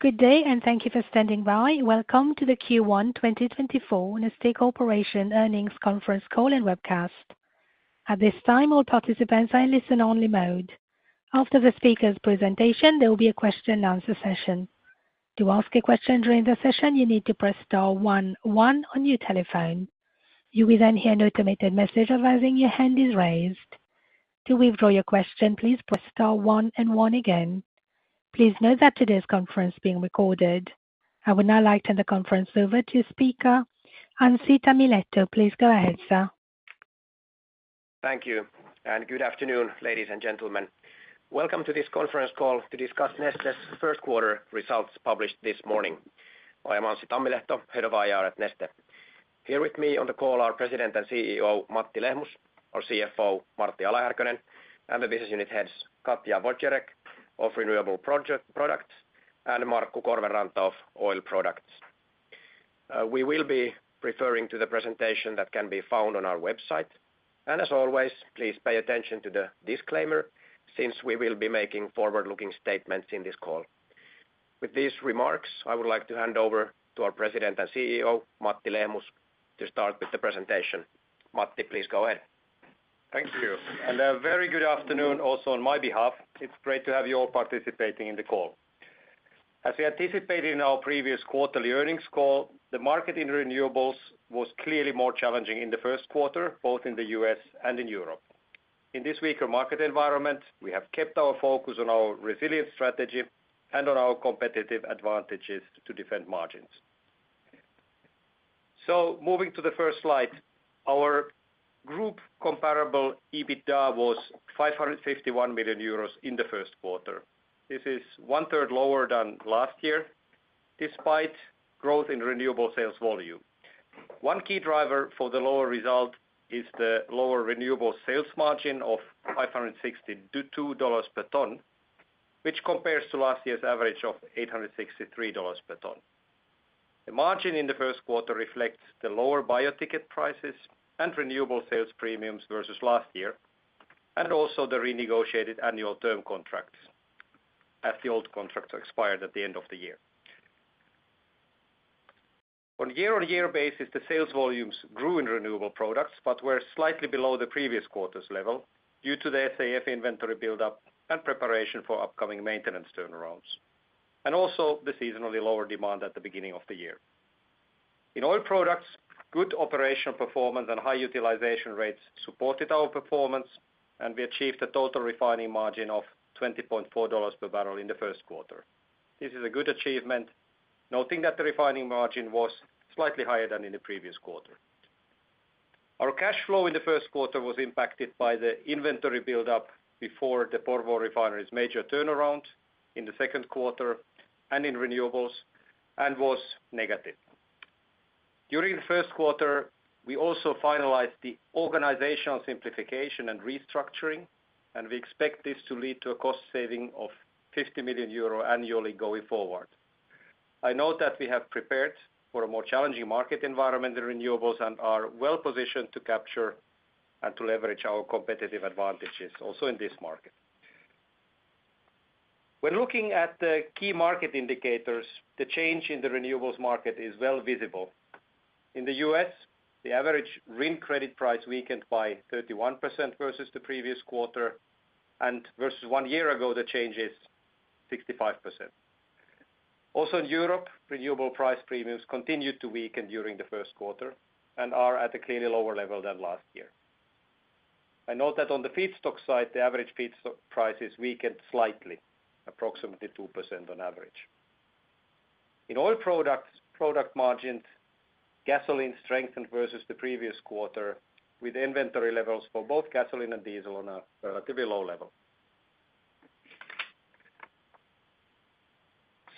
Good day, and thank you for standing by. Welcome to the Q1 2024 Neste Corporation Earnings Conference Call and Webcast. At this time, all participants are in listen-only mode. After the speaker's presentation, there will be a question and answer session. To ask a question during the session, you need to press star one one on your telephone. You will then hear an automated message advising your hand is raised. To withdraw your question, please press star one and one again. Please note that today's conference is being recorded. I would now like to turn the conference over to speaker, Anssi Tammilehto. Please go ahead, sir. Thank you, and good afternoon, ladies and gentlemen. Welcome to this conference call to discuss Neste's first quarter results published this morning. I am Anssi Tammilehto, Head of IR at Neste. Here with me on the call are President and CEO, Matti Lehmus, our CFO, Martti Ala-Härkönen, and the business unit heads, Katja Wodjereck, of Renewable Products, and Markku Korvenranta of Oil Products. We will be referring to the presentation that can be found on our website, and as always, please pay attention to the disclaimer since we will be making forward-looking statements in this call. With these remarks, I would like to hand over to our President and CEO, Matti Lehmus, to start with the presentation. Matti, please go ahead. Thank you, and a very good afternoon also on my behalf. It's great to have you all participating in the call. As we anticipated in our previous quarterly earnings call, the market in renewables was clearly more challenging in the first quarter, both in the U.S. and in Europe. In this weaker market environment, we have kept our focus on our resilient strategy and on our competitive advantages to defend margins. So moving to the first slide, our group comparable EBITDA was 551 million euros in the first quarter. This is one-third lower than last year, despite growth in renewable sales volume. One key driver for the lower result is the lower renewable sales margin of $562 per ton, which compares to last year's average of $863 per ton. The margin in the first quarter reflects the lower biofuel prices and renewable sales premiums versus last year, and also the renegotiated annual term contracts as the old contracts expired at the end of the year. On a year-on-year basis, the sales volumes grew in renewable products, but were slightly below the previous quarter's level due to the SAF inventory buildup and preparation for upcoming maintenance turnarounds, and also the seasonally lower demand at the beginning of the year. In oil products, good operational performance and high utilization rates supported our performance, and we achieved a total refining margin of $20.4 per barrel in the first quarter. This is a good achievement, noting that the refining margin was slightly higher than in the previous quarter. Our cash flow in the first quarter was impacted by the inventory buildup before the Porvoo Oil Refinery's major turnaround in the second quarter and in renewables and was negative. During the first quarter, we also finalized the organizational simplification and restructuring, and we expect this to lead to a cost saving of 50 million euro annually going forward. I know that we have prepared for a more challenging market environment in renewables and are well positioned to capture and to leverage our competitive advantages also in this market. When looking at the key market indicators, the change in the renewables market is well visible. In the U.S., the average RIN credit price weakened by 31% versus the previous quarter, and versus one year ago, the change is 65%. Also in Europe, renewable price premiums continued to weaken during the first quarter and are at a clearly lower level than last year. I note that on the feedstock side, the average feedstock prices weakened slightly, approximately 2% on average. In oil products, product margins, gasoline strengthened versus the previous quarter, with inventory levels for both gasoline and diesel on a relatively low level.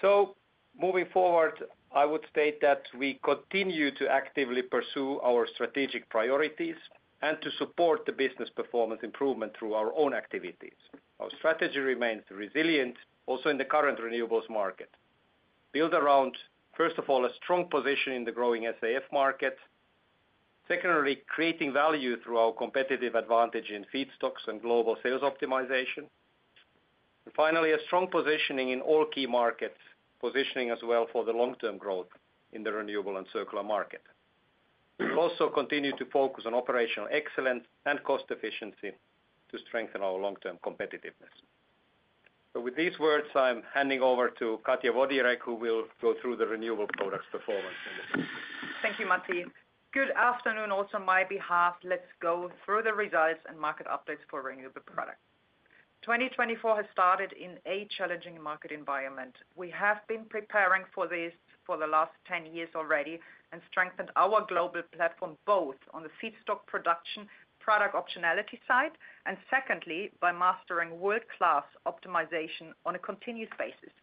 So moving forward, I would state that we continue to actively pursue our strategic priorities and to support the business performance improvement through our own activities. Our strategy remains resilient, also in the current renewables market, built around, first of all, a strong position in the growing SAF market. Secondly, creating value through our competitive advantage in feedstocks and global sales optimization. And finally, a strong positioning in all key markets, positioning as well for the long-term growth in the renewable and circular market. We also continue to focus on operational excellence and cost efficiency to strengthen our long-term competitiveness. So with these words, I'm handing over to Katja Wodjereck, who will go through the renewable products performance. Thank you, Matti. Good afternoon, also on my behalf. Let's go through the results and market updates for renewable products. 2024 has started in a challenging market environment. We have been preparing for this for the last 10 years already and strengthened our global platform, both on the feedstock production, product optionality side, and secondly, by mastering world-class optimization on a continuous basis.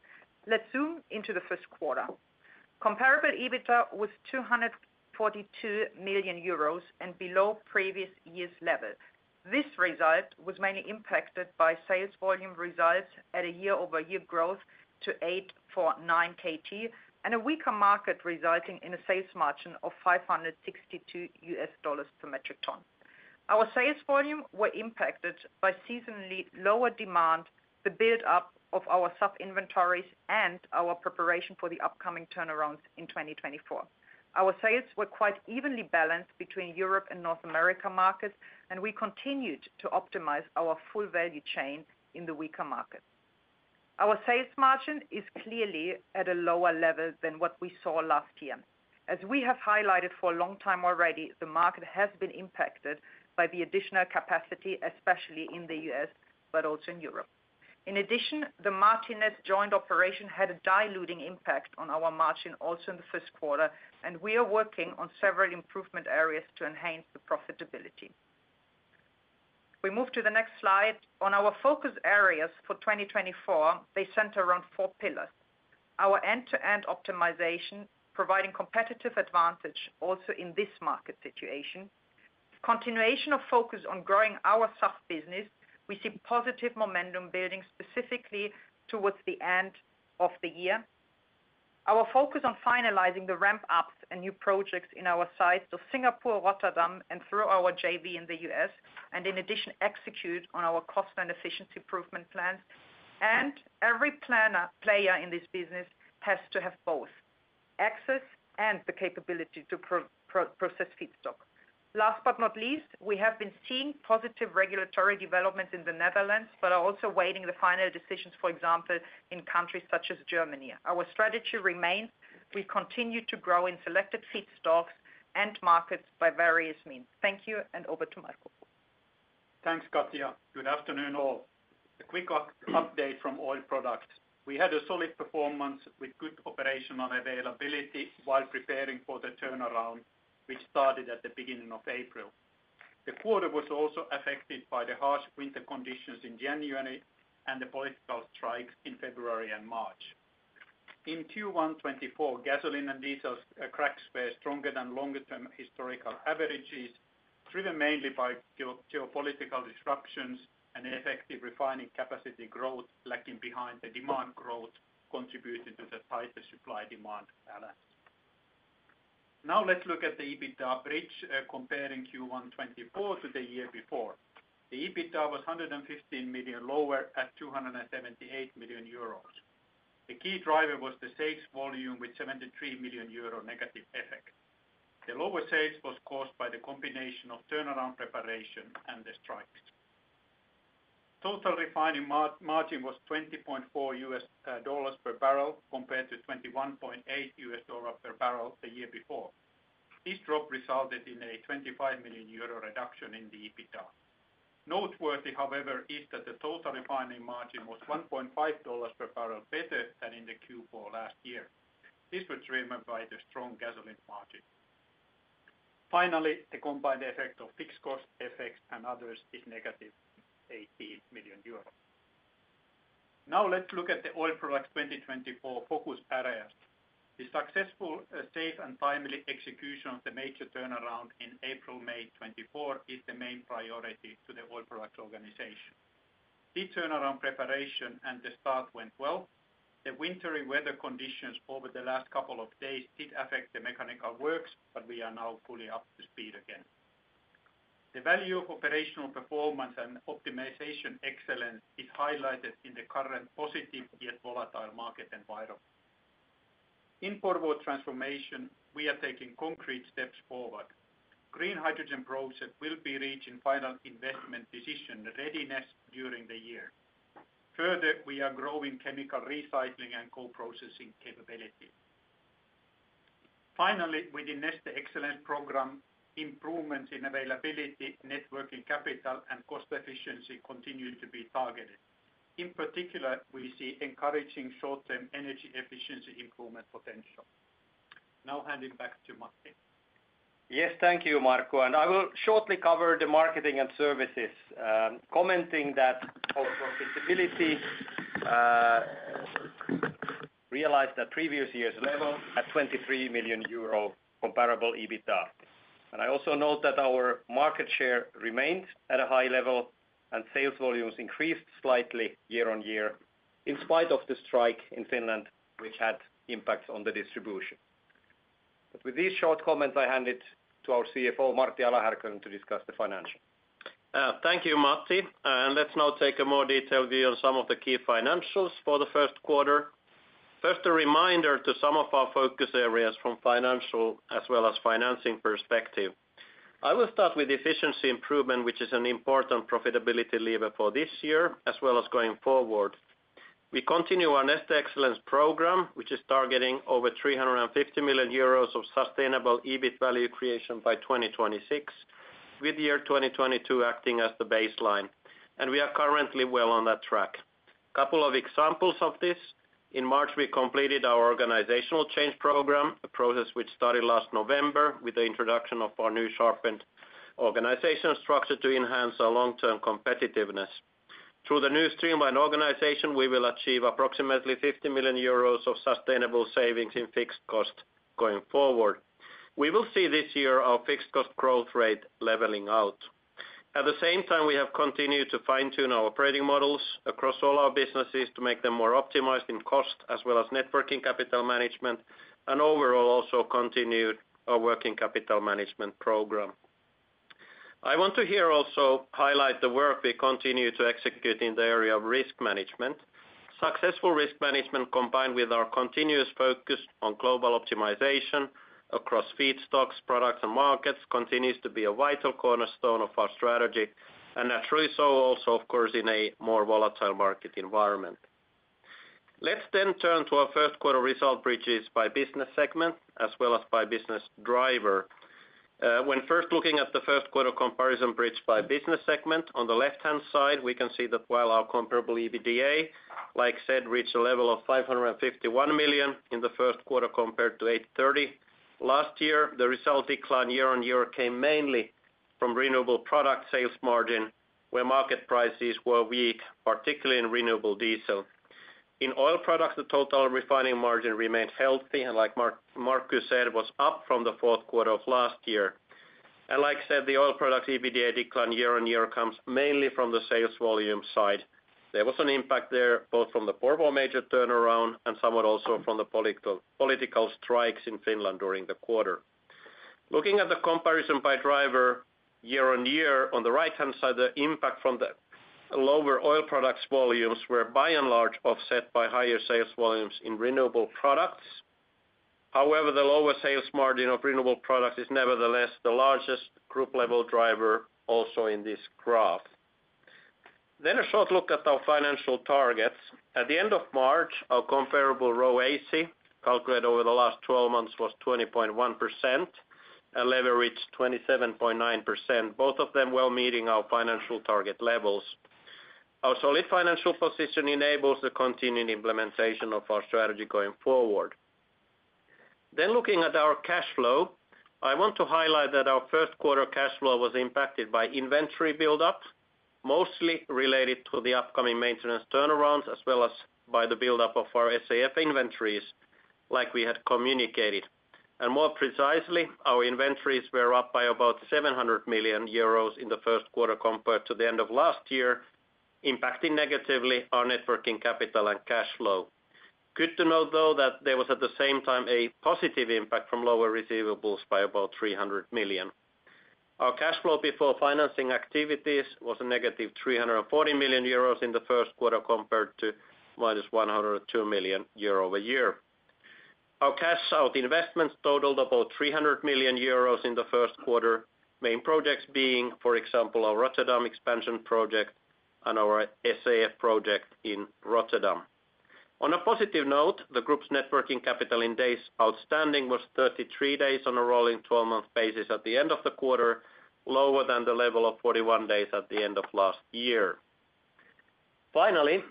Let's zoom into the first quarter. Comparable EBITDA was 242 million euros and below previous year's level. This result was mainly impacted by sales volume results at a year-over-year growth to 8.9 KT, and a weaker market resulting in a sales margin of $562 per metric ton. Our sales volume were impacted by seasonally lower demand, the build up of our SAF inventories, and our preparation for the upcoming turnarounds in 2024. Our sales were quite evenly balanced between Europe and North America markets, and we continued to optimize our full value chain in the weaker market. Our sales margin is clearly at a lower level than what we saw last year. As we have highlighted for a long time already, the market has been impacted by the additional capacity, especially in the U.S., but also in Europe. In addition, the Martinez joint operation had a diluting impact on our margin also in the first quarter, and we are working on several improvement areas to enhance the profitability. We move to the next slide. On our focus areas for 2024, they center around four pillars. Our end-to-end optimization, providing competitive advantage also in this market situation. Continuation of focus on growing our SAF business, we see positive momentum building specifically towards the end of the year. Our focus on finalizing the ramp ups and new projects in our sites of Singapore, Rotterdam, and through our JV in the U.S., and in addition, execute on our cost and efficiency improvement plans. Every planner, player in this business has to have both, access and the capability to process feedstock. Last but not least, we have been seeing positive regulatory developments in the Netherlands, but are also waiting the final decisions, for example, in countries such as Germany. Our strategy remains, we continue to grow in selected feedstocks and markets by various means. Thank you, and over to Markk. Thanks, Katja. Good afternoon, all. A quick update from Oil Products. We had a solid performance with good operational availability while preparing for the turnaround, which started at the beginning of April. The quarter was also affected by the harsh winter conditions in January and the political strikes in February and March. In Q1 2024, gasoline and diesel crack spreads stronger than longer term historical averages, driven mainly by geopolitical disruptions and effective refining capacity growth, lagging behind the demand growth contributed to the tighter supply-demand balance. Now, let's look at the EBITDA bridge, comparing Q1 2024 to the year before. The EBITDA was 115 million lower at 278 million euros. The key driver was the sales volume, with 73 million euro negative effect. The lower sales was caused by the combination of turnaround preparation and the strikes. Total Refining Margin was $20.4 per barrel, compared to $21.8 per barrel the year before. This drop resulted in a 25 million euro reduction in the EBITDA. Noteworthy, however, is that the Total Refining Margin was $1.5 per barrel better than in Q4 last year. This was driven by the strong gasoline margin. Finally, the combined effect of fixed cost effects and others is negative 18 million euros. Now, let's look at the Oil Products 2024 focus areas. The successful, safe and timely execution of the major turnaround in April-May 2024 is the main priority to the Oil Products organization. The turnaround preparation and the start went well. The wintry weather conditions over the last couple of days did affect the mechanical works, but we are now fully up to speed again. The value of operational performance and optimization excellence is highlighted in the current positive yet volatile market environment. In forward transformation, we are taking concrete steps forward. Green hydrogen project will be reaching final investment decision readiness during the year. Further, we are growing chemical recycling and co-processing capability. Finally, with the Neste Excellence program, improvements in availability, net working capital, and cost efficiency continue to be targeted. In particular, we see encouraging short-term energy efficiency improvement potential. Now, hand it back to Matti. Yes, thank you, Markku, and I will shortly cover the marketing and services. Commenting that our profitability realized at previous year's level at 23 million euro comparable EBITDA. And I also note that our market share remained at a high level, and sales volumes increased slightly year-on-year, in spite of the strike in Finland, which had impacts on the distribution. But with these short comments, I hand it to our CFO, Martti Ala-Härkönen, to discuss the financial. Thank you, Matti. Let's now take a more detailed view on some of the key financials for the first quarter. First, a reminder to some of our focus areas from financial as well as financing perspective. I will start with efficiency improvement, which is an important profitability lever for this year, as well as going forward. We continue our Neste Excellence program, which is targeting over 350 million euros of sustainable EBIT value creation by 2026, with the year 2022 acting as the baseline, and we are currently well on that track. Couple of examples of this, in March, we completed our organizational change program, a process which started last November with the introduction of our new sharpened organizational structure to enhance our long-term competitiveness. Through the new streamlined organization, we will achieve approximately 50 million euros of sustainable savings in fixed cost going forward. We will see this year our fixed cost growth rate leveling out. At the same time, we have continued to fine-tune our operating models across all our businesses to make them more optimized in cost, as well as net working capital management, and overall, also continued our working capital management program. I want to here also highlight the work we continue to execute in the area of risk management. Successful risk management, combined with our continuous focus on global optimization across feedstocks, products, and markets, continues to be a vital cornerstone of our strategy, and naturally so also, of course, in a more volatile market environment. Let's then turn to our first quarter result bridges by business segment, as well as by business driver. When first looking at the first quarter comparison bridge by business segment, on the left-hand side, we can see that while our comparable EBITDA, like I said, reached a level of 551 million in the first quarter compared to 830 million last year, the result decline year-on-year came mainly from renewable product sales margin, where market prices were weak, particularly in renewable diesel. In oil products, the total refining margin remained healthy, and like Markku said, was up from the fourth quarter of last year. Like I said, the oil products EBITDA decline year-on-year comes mainly from the sales volume side. There was an impact there, both from the Porvoo major turnaround and somewhat also from the political strikes in Finland during the quarter. Looking at the comparison by driver year-on-year, on the right-hand side, the impact from the lower oil products volumes were by and large offset by higher sales volumes in renewable products. However, the lower sales margin of renewable products is nevertheless the largest group-level driver also in this graph. A short look at our financial targets. At the end of March, our comparable ROACE, calculated over the last 12 months, was 20.1%, and leverage reached 27.9%, both of them well meeting our financial target levels. Our solid financial position enables the continuing implementation of our strategy going forward. Looking at our cash flow, I want to highlight that our first quarter cash flow was impacted by inventory buildup, mostly related to the upcoming maintenance turnarounds, as well as by the buildup of our SAF inventories, like we had communicated. More precisely, our inventories were up by about 700 million euros in the first quarter compared to the end of last year, impacting negatively our net working capital and cash flow. Good to know, though, that there was, at the same time, a positive impact from lower receivables by about 300 million. Our cash flow before financing activities was negative 340 million euros in the first quarter, compared to minus 102 million euro year-over-year. Our cash out investments totaled about 300 million euros in the first quarter, main projects being, for example, our Rotterdam expansion project and our SAF project in Rotterdam. On a positive note, the group's net working capital in days outstanding was 33 days on a rolling 12-month basis at the end of the quarter, lower than the level of 41 days at the end of last year. Finally,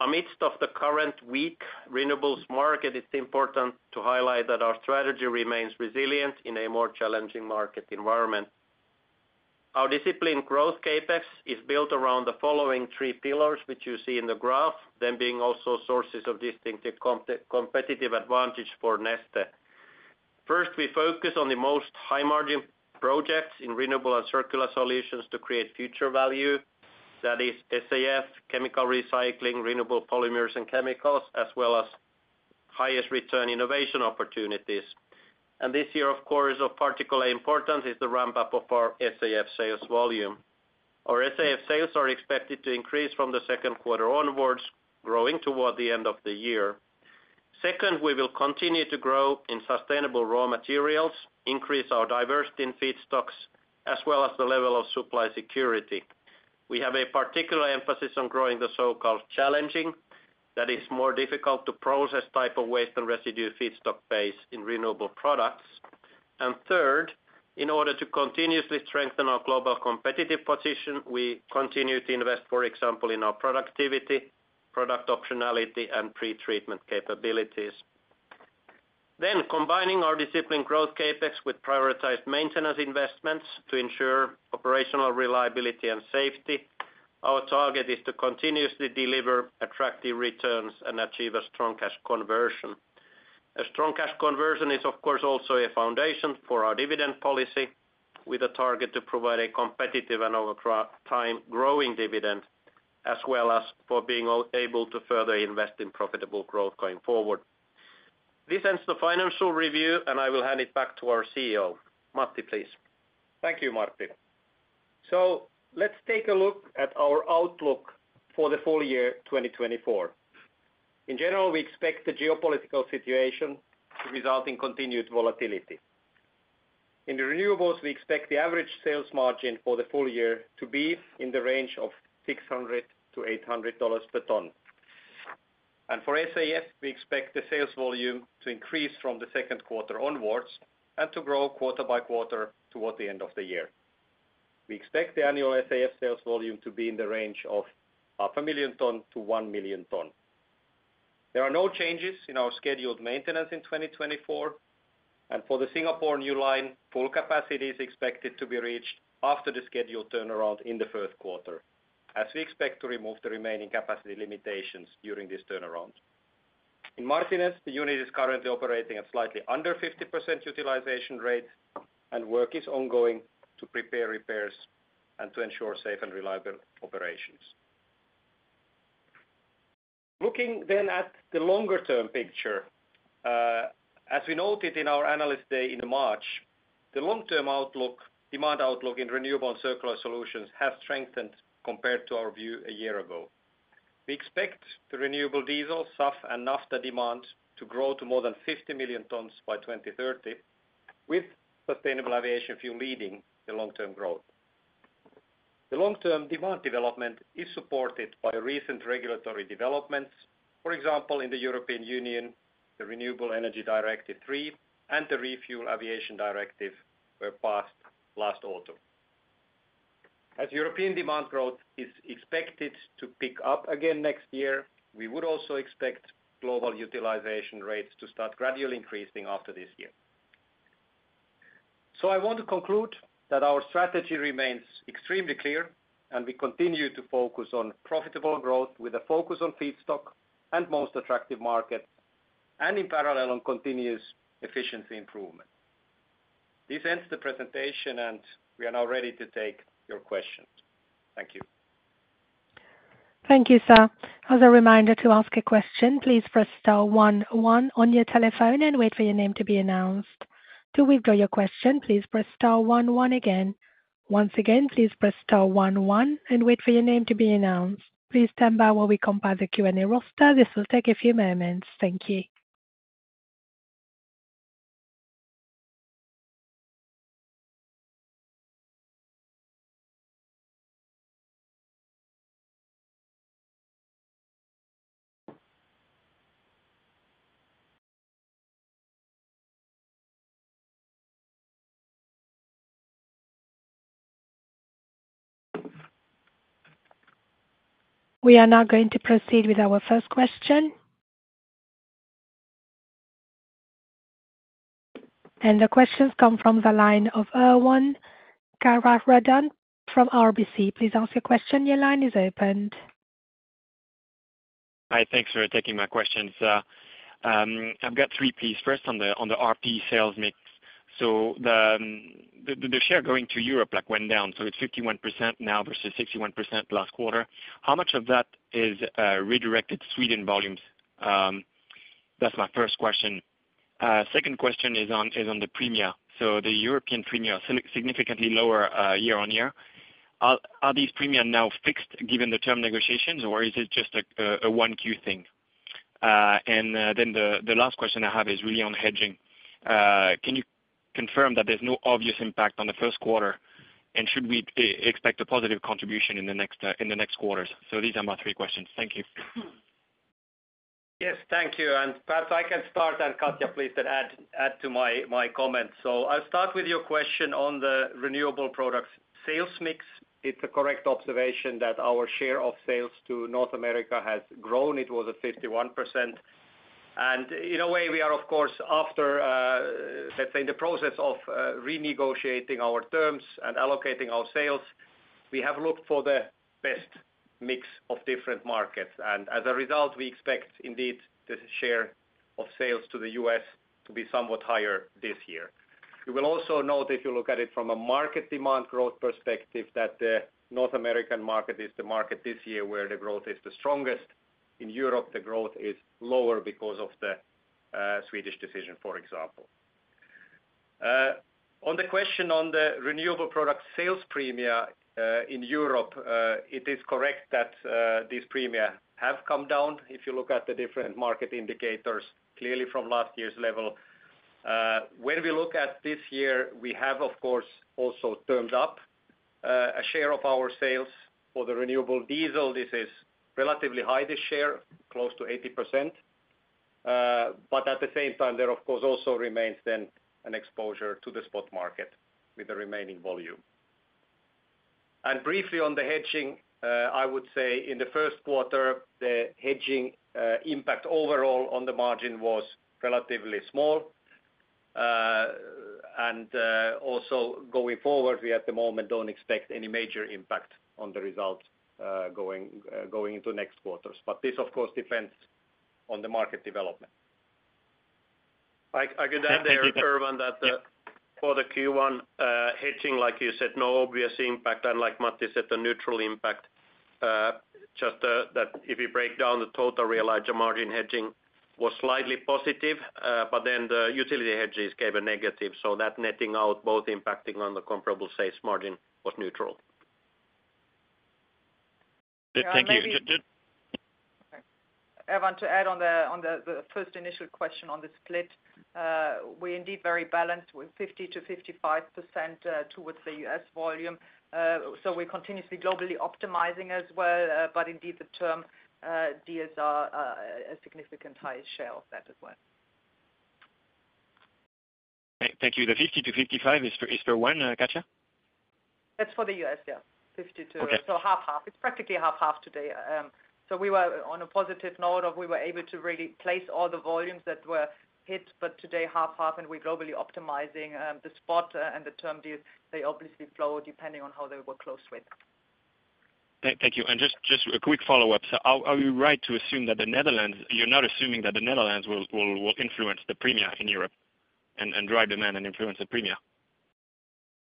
amidst of the current weak renewables market, it's important to highlight that our strategy remains resilient in a more challenging market environment. Our disciplined growth CapEx is built around the following three pillars, which you see in the graph, them being also sources of distinctive competitive advantage for Neste. First, we focus on the most high-margin projects in renewable and circular solutions to create future value, that is SAF, chemical recycling, renewable polymers and chemicals, as well as highest return innovation opportunities. And this year, of course, of particular importance is the ramp-up of our SAF sales volume. Our SAF sales are expected to increase from the second quarter onwards, growing toward the end of the year. Second, we will continue to grow in sustainable raw materials, increase our diversity in feedstocks, as well as the level of supply security. We have a particular emphasis on growing the so-called challenging, that is more difficult to process type of waste and residue feedstock base in renewable products. And third, in order to continuously strengthen our global competitive position, we continue to invest, for example, in our productivity, product optionality, and pretreatment capabilities. Then, combining our disciplined growth CapEx with prioritized maintenance investments to ensure operational reliability and safety, our target is to continuously deliver attractive returns and achieve a strong cash conversion. A strong cash conversion is, of course, also a foundation for our dividend policy, with a target to provide a competitive and over time growing dividend, as well as for being able to further invest in profitable growth going forward. This ends the financial review, and I will hand it back to our CEO. Matti, please. Thank you, Martti. So let's take a look at our outlook for the full year 2024. In general, we expect the geopolitical situation to result in continued volatility. In the renewables, we expect the average sales margin for the full year to be in the range of $600-$800 per ton. And for SAF, we expect the sales volume to increase from the second quarter onwards and to grow quarter-by-quarter toward the end of the year. We expect the annual SAF sales volume to be in the range of 500,000 tons-1 million tons. There are no changes in our scheduled maintenance in 2024, and for the Singapore new line, full capacity is expected to be reached after the scheduled turnaround in the first quarter, as we expect to remove the remaining capacity limitations during this turnaround. In Martinez, the unit is currently operating at slightly under 50% utilization rate, and work is ongoing to prepare repairs and to ensure safe and reliable operations. Looking then at the longer term picture, as we noted in our analyst day in March, the long term outlook, demand outlook in renewable and circular solutions has strengthened compared to our view a year ago. We expect the renewable diesel, SAF, and naphtha demand to grow to more than 50 million tons by 2030, with sustainable aviation fuel leading the long-term growth. The long-term demand development is supported by recent regulatory developments. For example, in the European Union, the Renewable Energy Directive III and the ReFuelEU Aviation Directive were passed last autumn. As European demand growth is expected to pick up again next year, we would also expect global utilization rates to start gradually increasing after this year. I want to conclude that our strategy remains extremely clear, and we continue to focus on profitable growth with a focus on feedstock and most attractive market, and in parallel on continuous efficiency improvement. This ends the presentation, and we are now ready to take your questions. Thank you. Thank you, sir. As a reminder, to ask a question, please press star one one on your telephone and wait for your name to be announced. To withdraw your question, please press star one one again. Once again, please press star one one and wait for your name to be announced. Please stand by while we compile the Q&A roster. This will take a few moments. Thank you. We are now going to proceed with our first question. The questions come from the line of Erwan Kerouredan from RBC. Please ask your question. Your line is open. Hi, thanks for taking my questions. I've got three, please. First, on the RP sales mix. So the share going to Europe, like, went down, so it's 51% now versus 61% last quarter. How much of that is redirected Sweden volumes? That's my first question. Second question is on the premia. So the European premia significantly lower year-on-year. Are these premia now fixed given the term negotiations, or is it just a one Q thing? And then the last question I have is really on hedging. Can you confirm that there's no obvious impact on the first quarter? And should we expect a positive contribution in the next quarters? So these are my three questions. Thank you. Yes, thank you. And perhaps I can start, and Katja, please then add, add to my, my comments. So I'll start with your question on the renewable products sales mix. It's a correct observation that our share of sales to North America has grown. It was at 51%. And in a way, we are of course, after, let's say, in the process of renegotiating our terms and allocating our sales, we have looked for the best mix of different markets. And as a result, we expect indeed, the share of sales to the U.S. to be somewhat higher this year. You will also note, if you look at it from a market demand growth perspective, that the North American market is the market this year where the growth is the strongest. In Europe, the growth is lower because of the Swedish decision, for example. On the question on the renewable product sales premiums, in Europe, it is correct that these premiums have come down, if you look at the different market indicators, clearly from last year's level. When we look at this year, we have, of course, also term up a share of our sales. For the renewable diesel, this is relatively high, this share, close to 80%. But at the same time, there of course also remains then an exposure to the spot market with the remaining volume. And briefly on the hedging, I would say in the first quarter, the hedging impact overall on the margin was relatively small. And also going forward, we at the moment don't expect any major impact on the results, going into next quarters. This, of course, depends on the market development. I can add there, Erwan, that Yeah. For the Q1 hedging, like you said, no obvious impact, unlike Matti said, a neutral impact. Just that if you break down the total realized margin hedging was slightly positive, but then the utility hedges gave a negative. So that netting out, both impacting on the comparable sales margin, was neutral. Thank you. And maybe- Erwan, to add on the first initial question on the split, we're indeed very balanced with 50%-55% towards the U.S. volume. So we're continuously globally optimizing as well, but indeed, the term deals are a significant high share of that as well. Thank you. The 50-55 is for when, Katja? That's for the U.S., yeah, 50 to- Okay. So 50/50. It's practically 50/50 today. So we were on a positive note of we were able to really place all the volumes that were hit, but today, 50/50, and we're globally optimizing the spot and the term deal. They obviously flow depending on how they were closed with. Thank you. And just a quick follow-up. So are we right to assume that the Netherlands... You're not assuming that the Netherlands will influence the premia in Europe, and drive demand and influence the premia? ...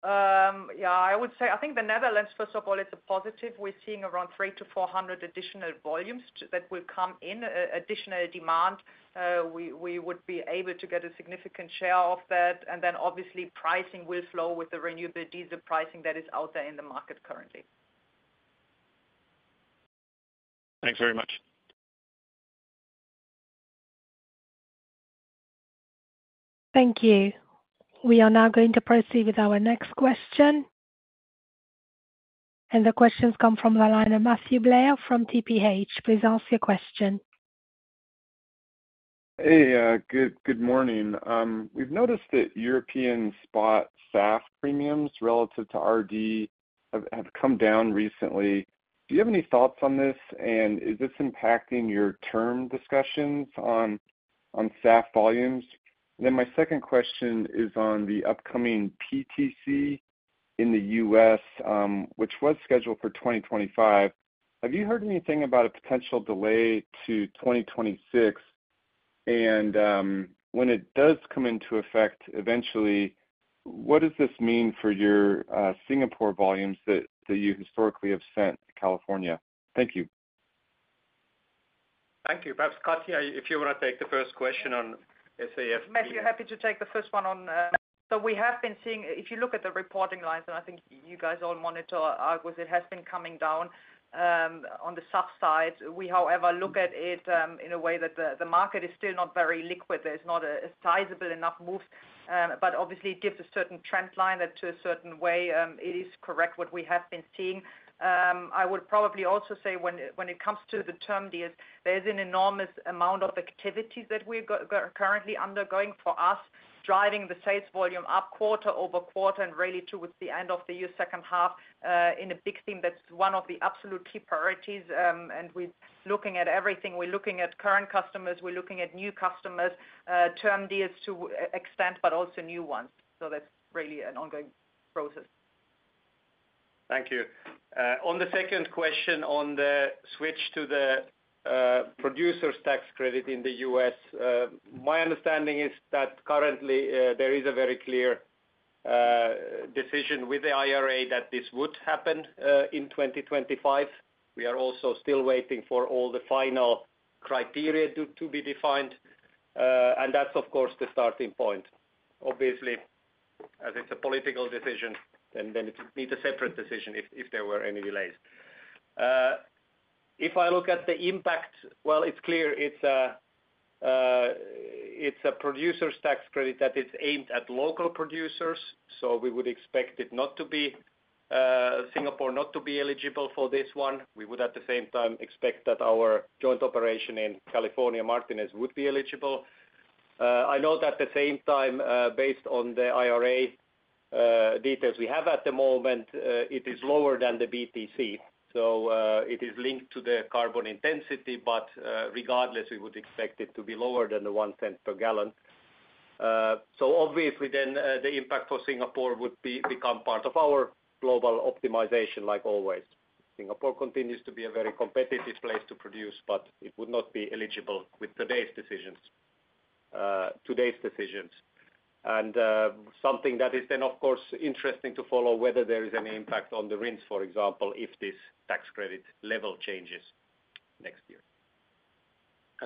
Yeah, I would say, I think the Netherlands, first of all, is a positive. We're seeing around 300-400 additional volumes that will come in, additional demand. We would be able to get a significant share of that, and then obviously pricing will flow with the renewable diesel pricing that is out there in the market currently. Thanks very much. Thank you. We are now going to proceed with our next question. The question's come from the line of Matthew Blair from TPH. Please ask your question. Hey, good morning. We've noticed that European spot SAF premiums relative to RD have come down recently. Do you have any thoughts on this? And is this impacting your term discussions on SAF volumes? Then my second question is on the upcoming PTC in the U.S., which was scheduled for 2025. Have you heard anything about a potential delay to 2026? And, when it does come into effect, eventually, what does this mean for your Singapore volumes that you historically have sent to California? Thank you. Thank you. Perhaps, Katja, if you wanna take the first question on SAF. Matthew, happy to take the first one on. So we have been seeing, if you look at the reporting lines, and I think you guys all monitor Argus, it has been coming down on the soft side. We, however, look at it in a way that the market is still not very liquid. There's not a sizable enough move, but obviously it gives a certain trend line that to a certain way, it is correct what we have been seeing. I would probably also say when it comes to the term deals, there's an enormous amount of activities that we've currently undergoing for us, driving the sales volume up quarter-over-quarter and really towards the end of the year, second half, in a big theme, that's one of the absolute key priorities. And we're looking at everything. We're looking at current customers, we're looking at new customers, term deals to the extent, but also new ones. So that's really an ongoing process. Thank you. On the second question, on the switch to the producer's tax credit in the U.S., my understanding is that currently, there is a very clear decision with the IRA that this would happen in 2025. We are also still waiting for all the final criteria to be defined. And that's, of course, the starting point. Obviously, as it's a political decision, then it needs a separate decision if there were any delays. If I look at the impact, well, it's clear it's a producer's tax credit that is aimed at local producers, so we would expect it not to be, Singapore, not to be eligible for this one. We would, at the same time, expect that our joint operation in California, Martinez, would be eligible. I know that at the same time, based on the IRA details we have at the moment, it is lower than the BTC. So, it is linked to the carbon intensity, but, regardless, we would expect it to be lower than the $0.01 per gallon. So obviously then, the impact for Singapore would become part of our global optimization, like always. Singapore continues to be a very competitive place to produce, but it would not be eligible with today's decisions, today's decisions. Something that is then, of course, interesting to follow, whether there is any impact on the rents, for example, if this tax credit level changes next year.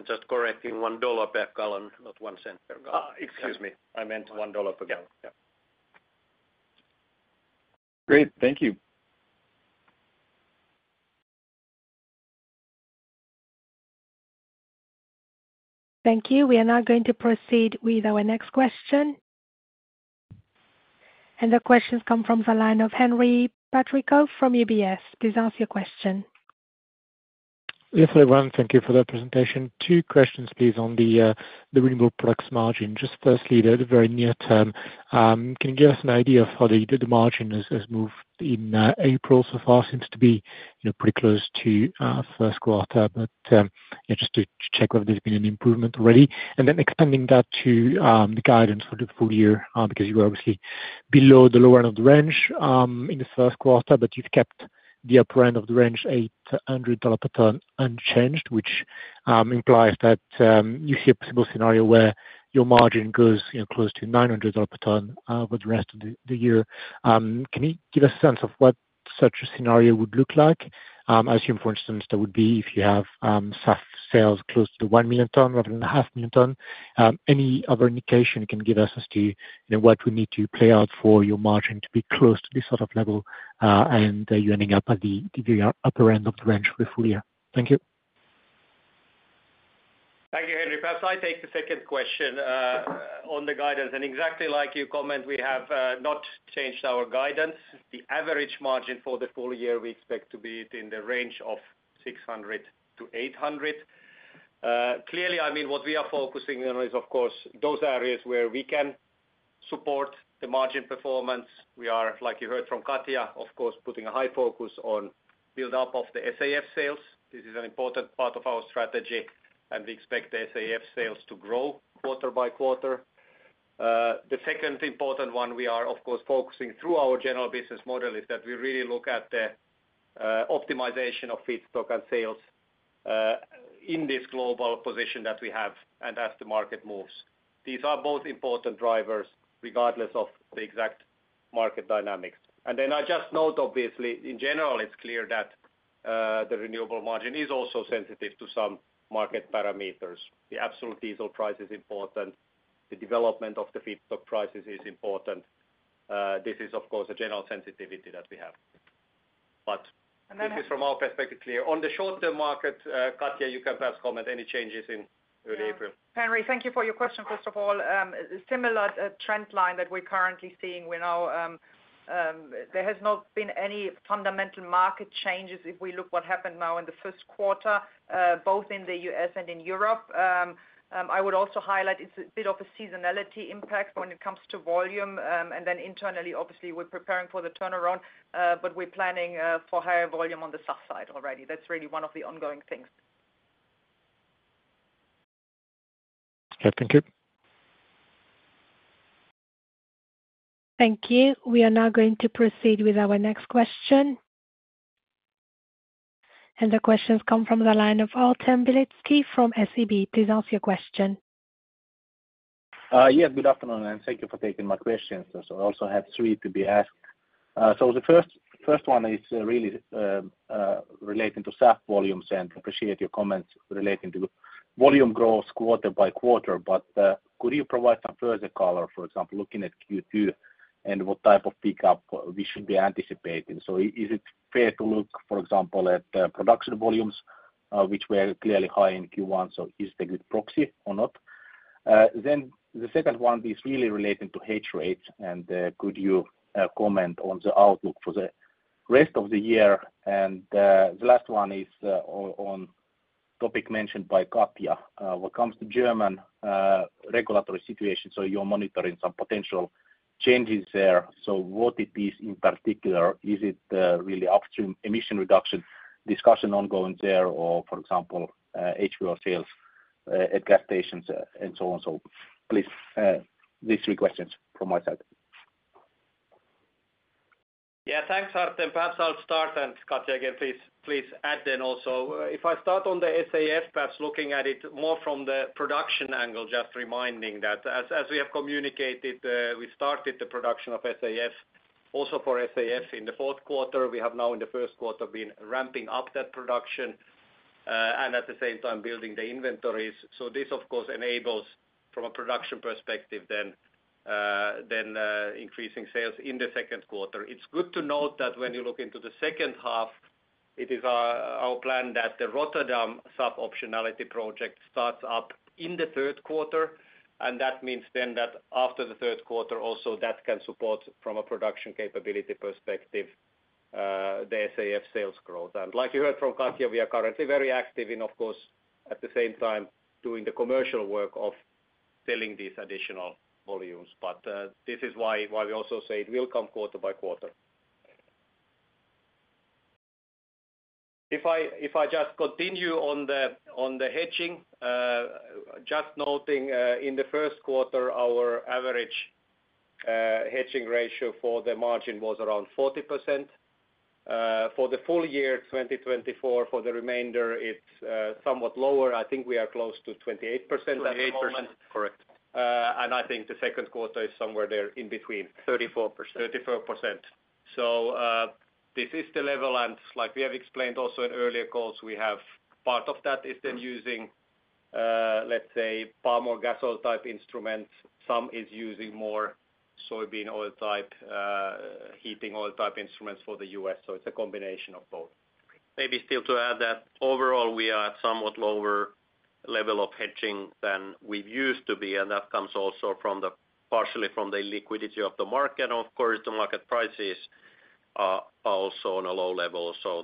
Just correcting, $1 per gallon, not $0.01 per gallon. Excuse me, I meant $1 per gallon. Yeah. Yeah. Great. Thank you. Thank you. We are now going to proceed with our next question. The question's come from the line of Henri Patricot from UBS. Please ask your question. Yes, everyone, thank you for that presentation. Two questions, please, on the renewable products margin. Just firstly, the very near term, can you give us an idea of how the margin has moved in April so far? Seems to be, you know, pretty close to first quarter, but yeah, just to check whether there's been an improvement already. And then extending that to the guidance for the full year, because you are obviously below the lower end of the range in the first quarter, but you've kept the upper end of the range, $8-$100 per ton unchanged, which implies that you see a possible scenario where your margin goes, you know, close to $900 per ton for the rest of the year. Can you give a sense of what such a scenario would look like? I assume, for instance, that would be if you have SAF sales close to 1 million ton rather than a half million ton. Any other indication can give us as to, you know, what we need to play out for your margin to be close to this sort of level, and you ending up at the upper end of the range for full year? Thank you. Thank you, Henry. Perhaps I take the second question on the guidance. Exactly like you comment, we have not changed our guidance. The average margin for the full year, we expect to be in the range of $600-$800. Clearly, I mean, what we are focusing on is, of course, those areas where we can support the margin performance. We are, like you heard from Katja, of course, putting a high focus on build-up of the SAF sales. This is an important part of our strategy, and we expect the SAF sales to grow quarter-by-quarter. The second important one we are, of course, focusing through our general business model is that we really look at the optimization of feedstock and sales in this global position that we have and as the market moves. These are both important drivers, regardless of the exact market dynamics. And then I just note, obviously, in general, it's clear that, the renewable margin is also sensitive to some market parameters. The absolute diesel price is important, the development of the feedstock prices is important. This is, of course, a general sensitivity that we have. But this is from our perspective, clear. On the short-term market, Katja, you can best comment any changes in early April. Henry, thank you for your question, first of all. Similar trend line that we're currently seeing, we know, there has not been any fundamental market changes if we look what happened now in the first quarter, both in the U.S. and in Europe. I would also highlight it's a bit of a seasonality impact when it comes to volume. And then internally, obviously, we're preparing for the turnaround, but we're planning for higher volume on the SAF side already. That's really one of the ongoing things. Yeah. Thank you. Thank you. We are now going to proceed with our next question. The question's come from the line of Artem Beletski from SEB. Please ask your question. Yes, good afternoon, and thank you for taking my questions. So I also have three to ask. So the first one is really relating to SAF volumes, and appreciate your comments relating to volume growth quarter-by-quarter. But could you provide some further color, for example, looking at Q2 and what type of pickup we should be anticipating? So is it fair to look, for example, at production volumes, which were clearly high in Q1? So is it a good proxy or not? Then the second one is really relating to hedge rates, and could you comment on the outlook for the rest of the year? And the last one is on the topic mentioned by Katja. When it comes to German regulatory situation, so you're monitoring some potential changes there. So what it is, in particular, is it really upstream emission reduction discussion ongoing there, or for example, HVO sales at gas stations and so on? So please, these three questions from my side. Yeah, thanks, Artem. Perhaps I'll start, and Katja, again, please, please add then also. If I start on the SAF, perhaps looking at it more from the production angle, just reminding that as, as we have communicated, we started the production of SAF, also for SAF in the fourth quarter. We have now in the first quarter been ramping up that production, and at the same time building the inventories. So this, of course, enables from a production perspective then, increasing sales in the second quarter. It's good to note that when you look into the second half, it is our plan that the Rotterdam SAF optionality project starts up in the third quarter, and that means then that after the third quarter, also, that can support from a production capability perspective, the SAF sales growth. And like you heard from Katja, we are currently very active in, of course, at the same time, doing the commercial work of selling these additional volumes. But this is why we also say it will come quarter-by-quarter. If I just continue on the hedging, just noting, in the first quarter, our average hedging ratio for the margin was around 40%. For the full year 2024, for the remainder, it's somewhat lower. I think we are close to 28% at the moment. 28%, correct. I think the second quarter is somewhere there in between. Thirty-four percent. 34%. So, this is the level, and like we have explained also in earlier calls, we have part of that is then using, let's say, palm oil, gas oil type instruments, some is using more soybean oil type, heating oil type instruments for the U.S. So it's a combination of both. Maybe still to add that overall, we are at somewhat lower level of hedging than we've used to be, and that comes also partially from the liquidity of the market. Of course, the market prices are also on a low level, so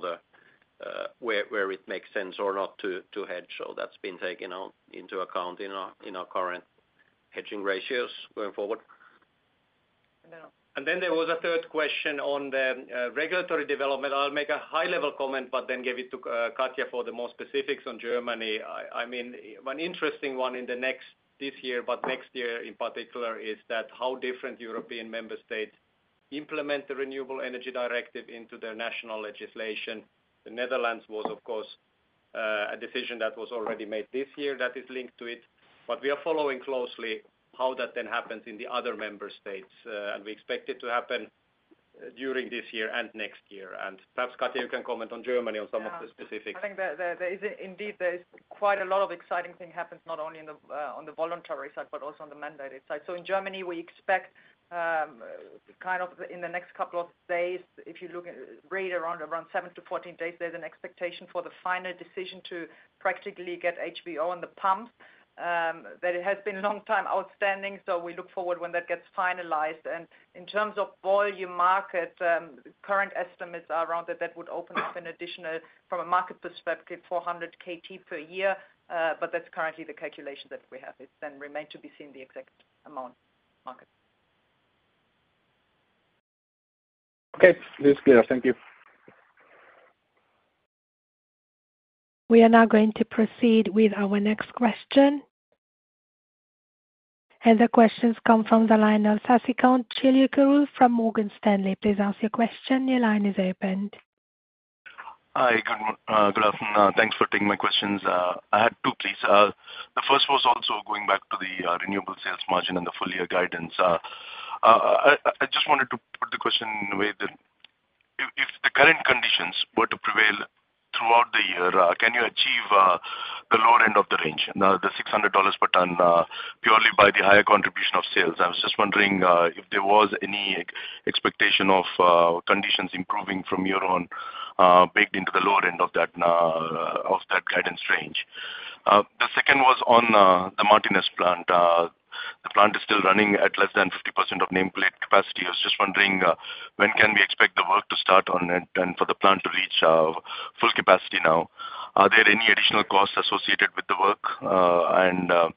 where it makes sense or not to hedge. So that's been taken into account in our current hedging ratios going forward. And then there was a third question on the regulatory development. I'll make a high level comment, but then give it to Katja for the more specifics on Germany. I mean, one interesting one in the next, this year, but next year in particular, is that how different European member states implement the Renewable Energy Directive into their national legislation. The Netherlands was, of course, a decision that was already made this year that is linked to it, but we are following closely how that then happens in the other member states. And we expect it to happen during this year and next year. And perhaps, Katja, you can comment on Germany on some of the specifics. Yeah. I think that there is indeed quite a lot of exciting thing happens, not only in the on the voluntary side, but also on the mandated side. So in Germany, we expect kind of in the next couple of days, if you look at right around 7-14 days, there's an expectation for the final decision to practically get HVO on the pump. That it has been a long time outstanding, so we look forward when that gets finalized. And in terms of volume market, current estimates are around that that would open up an additional, from a market perspective, 400 KT per year. But that's currently the calculation that we have. It's then remain to be seen the exact amount market. Okay, this is clear. Thank you. We are now going to proceed with our next question. The question comes from the line of Sasikanth Chilukuru from Morgan Stanley. Please ask your question. Your line is open. Hi, good afternoon. Thanks for taking my questions. I had two, please. The first was also going back to the renewable sales margin and the full year guidance. I just wanted to put the question in a way that if the current conditions were to prevail throughout the year, can you achieve the lower end of the range, the $600 per ton, purely by the higher contribution of sales? I was just wondering if there was any expectation of conditions improving from your own baked into the lower end of that guidance range. The second was on the Martinez plant. The plant is still running at less than 50% of nameplate capacity. I was just wondering, when can we expect the work to start on it and for the plant to reach full capacity now? Are there any additional costs associated with the work?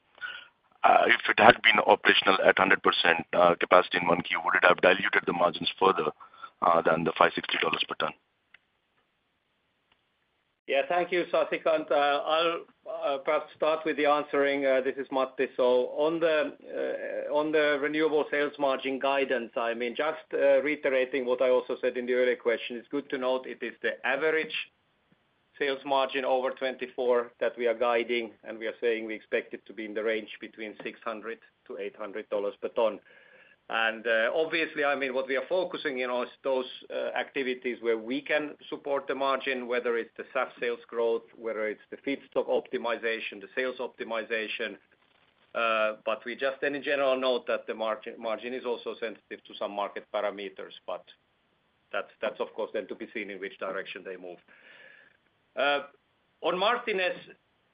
If it had been operational at 100% capacity in 1Q, would it have diluted the margins further than the $560 per ton? Yeah. Thank you, Sasikanth. I'll perhaps start with the answering. This is Matti. So on the on the renewable sales margin guidance, I mean, just reiterating what I also said in the earlier question, it's good to note it is the average sales margin over 2024 that we are guiding, and we are saying we expect it to be in the range between $600-$800 per ton. And obviously, I mean, what we are focusing in on is those activities where we can support the margin, whether it's the SAF sales growth, whether it's the feedstock optimization, the sales optimization, but we just in general note that the margin, margin is also sensitive to some market parameters, but that's of course then to be seen in which direction they move. On Martinez,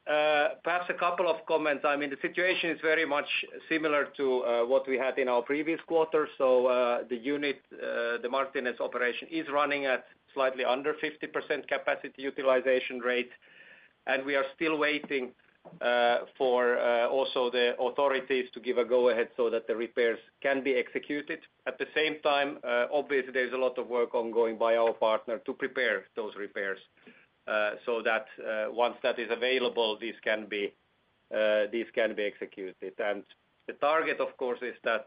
perhaps a couple of comments. I mean, the situation is very much similar to what we had in our previous quarter. So, the unit, the Martinez operation is running at slightly under 50% capacity utilization rate, and we are still waiting also for the authorities to give a go-ahead so that the repairs can be executed. At the same time, obviously, there's a lot of work ongoing by our partner to prepare those repairs, so that once that is available, this can be executed. And the target of course is that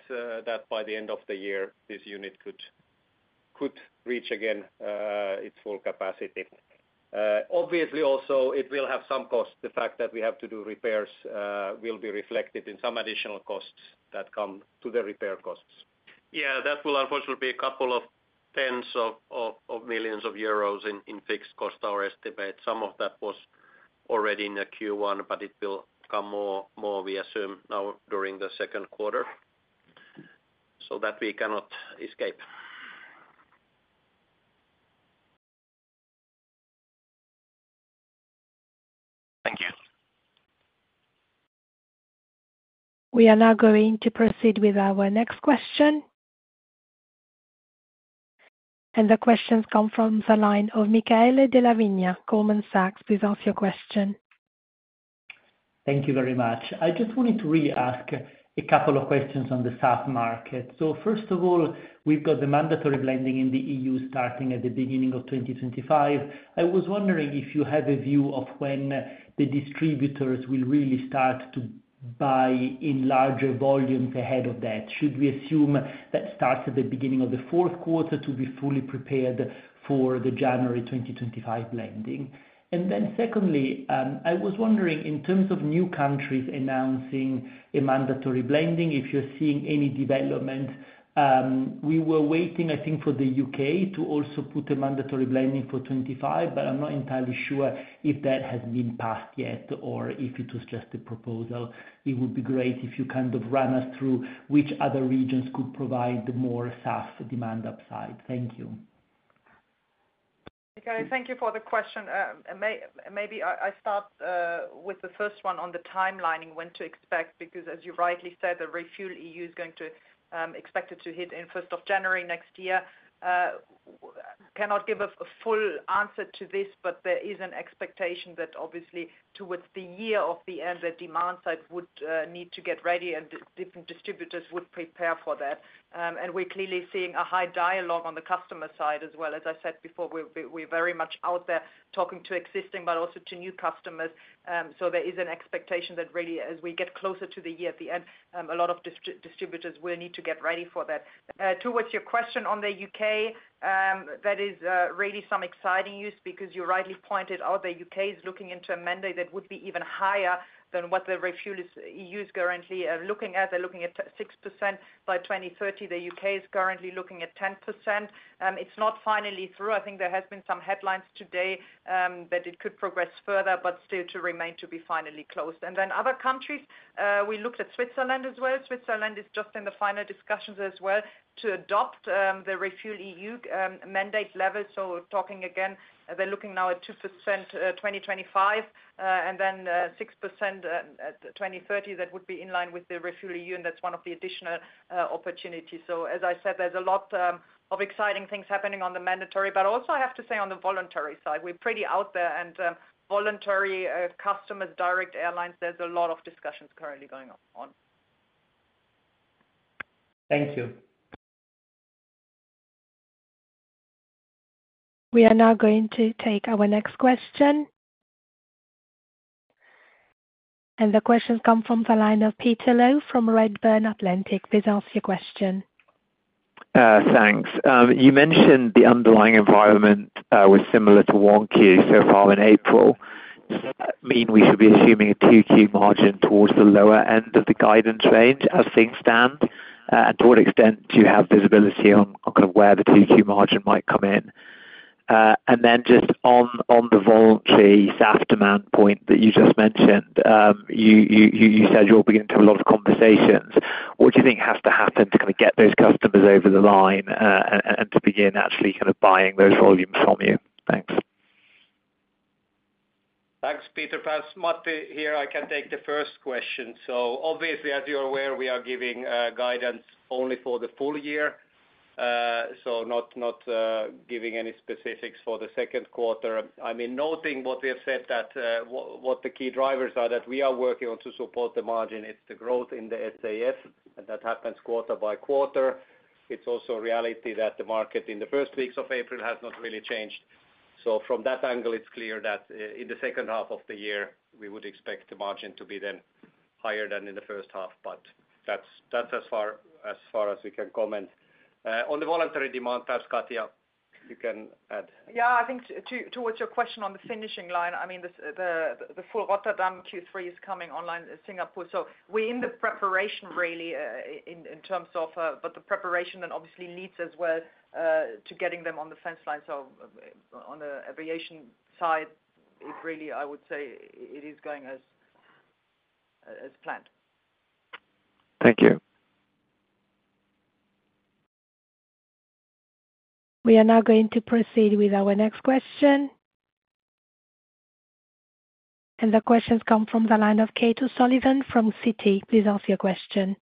by the end of the year, this unit could reach again its full capacity. Obviously, also, it will have some costs. The fact that we have to do repairs will be reflected in some additional costs that come to the repair costs. Yeah, that will unfortunately be a couple of tens of millions of EUR in fixed cost, our estimate. Some of that was already in the Q1, but it will come more, we assume now, during the second quarter, so that we cannot escape. Thank you. We are now going to proceed with our next question. The question comes from the line of Michele Della Vigna, Goldman Sachs. Please ask your question. Thank you very much. I just wanted to re-ask a couple of questions on the SAF market. So first of all, we've got the mandatory blending in the E.U. starting at the beginning of 2025. I was wondering if you have a view of when the distributors will really start to buy in larger volumes ahead of that. Should we assume that starts at the beginning of the fourth quarter to be fully prepared for the January 2025 blending? And then secondly, I was wondering, in terms of new countries announcing a mandatory blending, if you're seeing any development. We were waiting, I think, for the U.K. to also put a mandatory blending for 2025, but I'm not entirely sure if that has been passed yet or if it was just a proposal. It would be great if you kind of run us through which other regions could provide more SAF demand upside? Thank you. Okay, thank you for the question. Maybe I start with the first one on the timelining, when to expect, because as you rightly said, the ReFuelEU is expected to hit in first of January next year. Cannot give a full answer to this, but there is an expectation that obviously towards the end of the year, the demand side would need to get ready and different distributors would prepare for that. And we're clearly seeing a high dialogue on the customer side as well. As I said before, we're very much out there talking to existing but also to new customers. So there is an expectation that really, as we get closer to the end of the year, a lot of distributors will need to get ready for that. Towards your question on the UK, that is really some exciting news because you rightly pointed out the UK is looking into a mandate that would be even higher than what the ReFuelEU is currently looking at. They're looking at 6% by 2030. The UK is currently looking at 10%. It's not finally through. I think there has been some headlines today that it could progress further, but still to remain to be finally closed. And then other countries, we looked at Switzerland as well. Switzerland is just in the final discussions as well to adopt the ReFuelEU mandate level. So talking again, they're looking now at 2% 2025, and then 6% 2030, that would be in line with the ReFuelEU, and that's one of the additional opportunities. So as I said, there's a lot of exciting things happening on the mandatory, but also I have to say on the voluntary side, we're pretty out there and voluntary customers, direct airlines, there's a lot of discussions currently going on. Thank you. We are now going to take our next question. The question comes from the line of Peter Low from Redburn Atlantic. Please ask your question. Thanks. You mentioned the underlying environment was similar to 1Q so far in April. I mean, we should be assuming a 2Q margin towards the lower end of the guidance range as things stand? And to what extent do you have visibility on kind of where the 2Q margin might come in? And then just on the voluntary SAF demand point that you just mentioned, you said you're beginning to have a lot of conversations. What do you think has to happen to kind of get those customers over the line, and to begin actually kind of buying those volumes from you? Thanks. Thanks, Peter. Thanks, Matti here, I can take the first question. So obviously, as you're aware, we are giving guidance only for the full year. So not giving any specifics for the second quarter. I mean, noting what we have said that what the key drivers are that we are working on to support the margin, it's the growth in the SAF, and that happens quarter-by-quarter. It's also a reality that the market in the first weeks of April has not really changed. So from that angle, it's clear that in the second half of the year, we would expect the margin to be then higher than in the first half, but that's as far as we can comment. On the voluntary demand, Katja, you can add. Yeah, I think towards your question on the finishing line, I mean, the full Rotterdam Q3 is coming online, Singapore. So we're in the preparation really, in terms of, but the preparation that obviously leads as well, to getting them on the fence line. So on the aviation side, it really, I would say it is going as planned. Thank you. We are now going to proceed with our next question. The question comes from the line of Kate O'Sullivan from Citi. Please ask your question.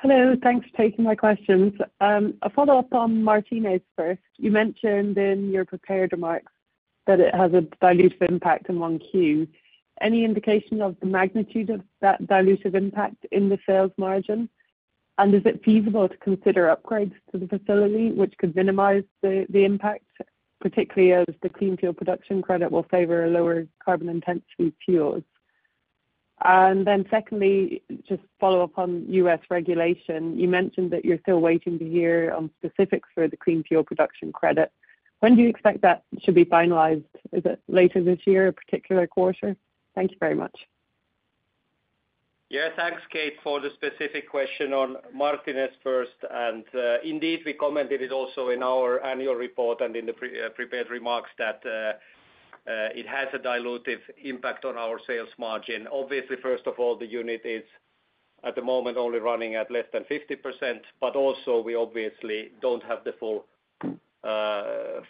Hello, thanks for taking my questions. A follow-up on Martinez first. You mentioned in your prepared remarks that it has a dilutive impact on 1Q. Any indication of the magnitude of that dilutive impact in the sales margin? And is it feasible to consider upgrades to the facility, which could minimize the impact, particularly as the Clean Fuel Production Credit will favor a lower carbon intensity fuels? And then secondly, just follow up on U.S. regulation. You mentioned that you're still waiting to hear on specifics for the Clean Fuel Production Credit. When do you expect that should be finalized? Is it later this year, a particular quarter? Thank you very much. Yeah, thanks, Kate, for the specific question on Martinez first. And, indeed, we commented it also in our annual report and in the pre-prepared remarks that it has a dilutive impact on our sales margin. Obviously, first of all, the unit is at the moment only running at less than 50%, but also we obviously don't have the full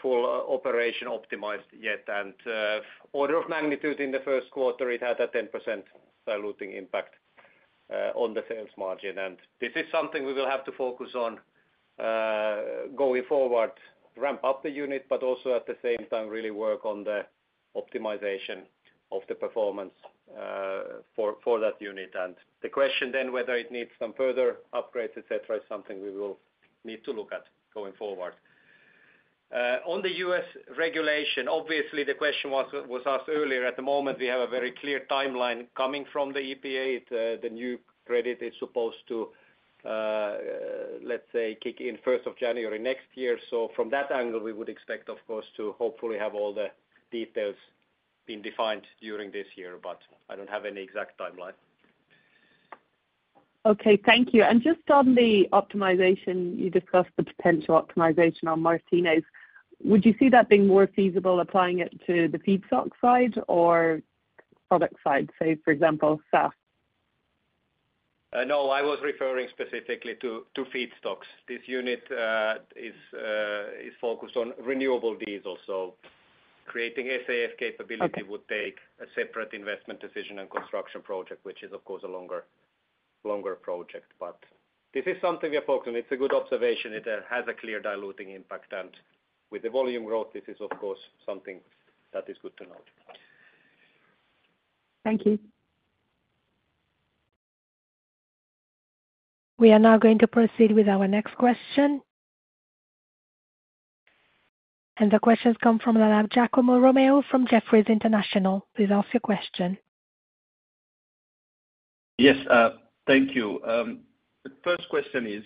full operation optimized yet. And, order of magnitude in the first quarter, it has a 10% diluting impact on the sales margin. And this is something we will have to focus on going forward, ramp up the unit, but also at the same time, really work on the optimization of the performance for that unit. And the question then, whether it needs some further upgrades, et cetera, is something we will need to look at going forward. On the U.S. regulation, obviously, the question was asked earlier. At the moment, we have a very clear timeline coming from the EPA. The new credit is supposed to, let's say, kick in first of January next year. So from that angle, we would expect, of course, to hopefully have all the details being defined during this year, but I don't have any exact timeline. Okay, thank you. And just on the optimization, you discussed the potential optimization on Martinez. Would you see that being more feasible, applying it to the feedstock side or product side, say, for example, SAF? No, I was referring specifically to feedstocks. This unit is focused on renewable diesel, so creating SAF capability- Okay. would take a separate investment decision and construction project, which is, of course, a longer, longer project. But this is something we are focused on. It's a good observation. It has a clear diluting impact, and with the volume growth, this is, of course, something that is good to note. Thank you. We are now going to proceed with our next question. The question comes from Giacomo Romeo, from Jefferies International. Please ask your question. Yes, thank you. The first question is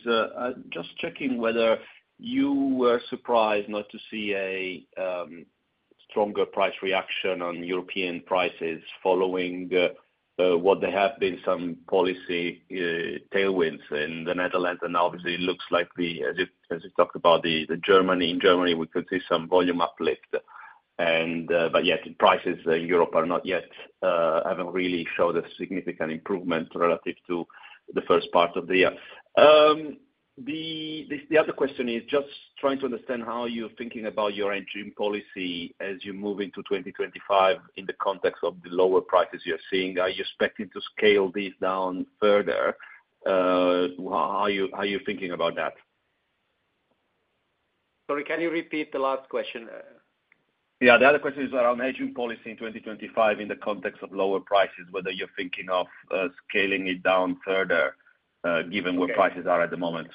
just checking whether you were surprised not to see a stronger price reaction on European prices following what there have been some policy tailwinds in the Netherlands, and obviously, it looks like, as you talked about, Germany in Germany, we could see some volume uplift. But yet prices in Europe are not yet haven't really showed a significant improvement relative to the first part of the year. The other question is just trying to understand how you're thinking about your engineering policy as you move into 2025 in the context of the lower prices you're seeing. Are you expecting to scale this down further? How are you thinking about that?... Sorry, can you repeat the last question? Yeah, the other question is around hedging policy in 2025 in the context of lower prices, whether you're thinking of scaling it down further, given where prices- Okay are at the moment.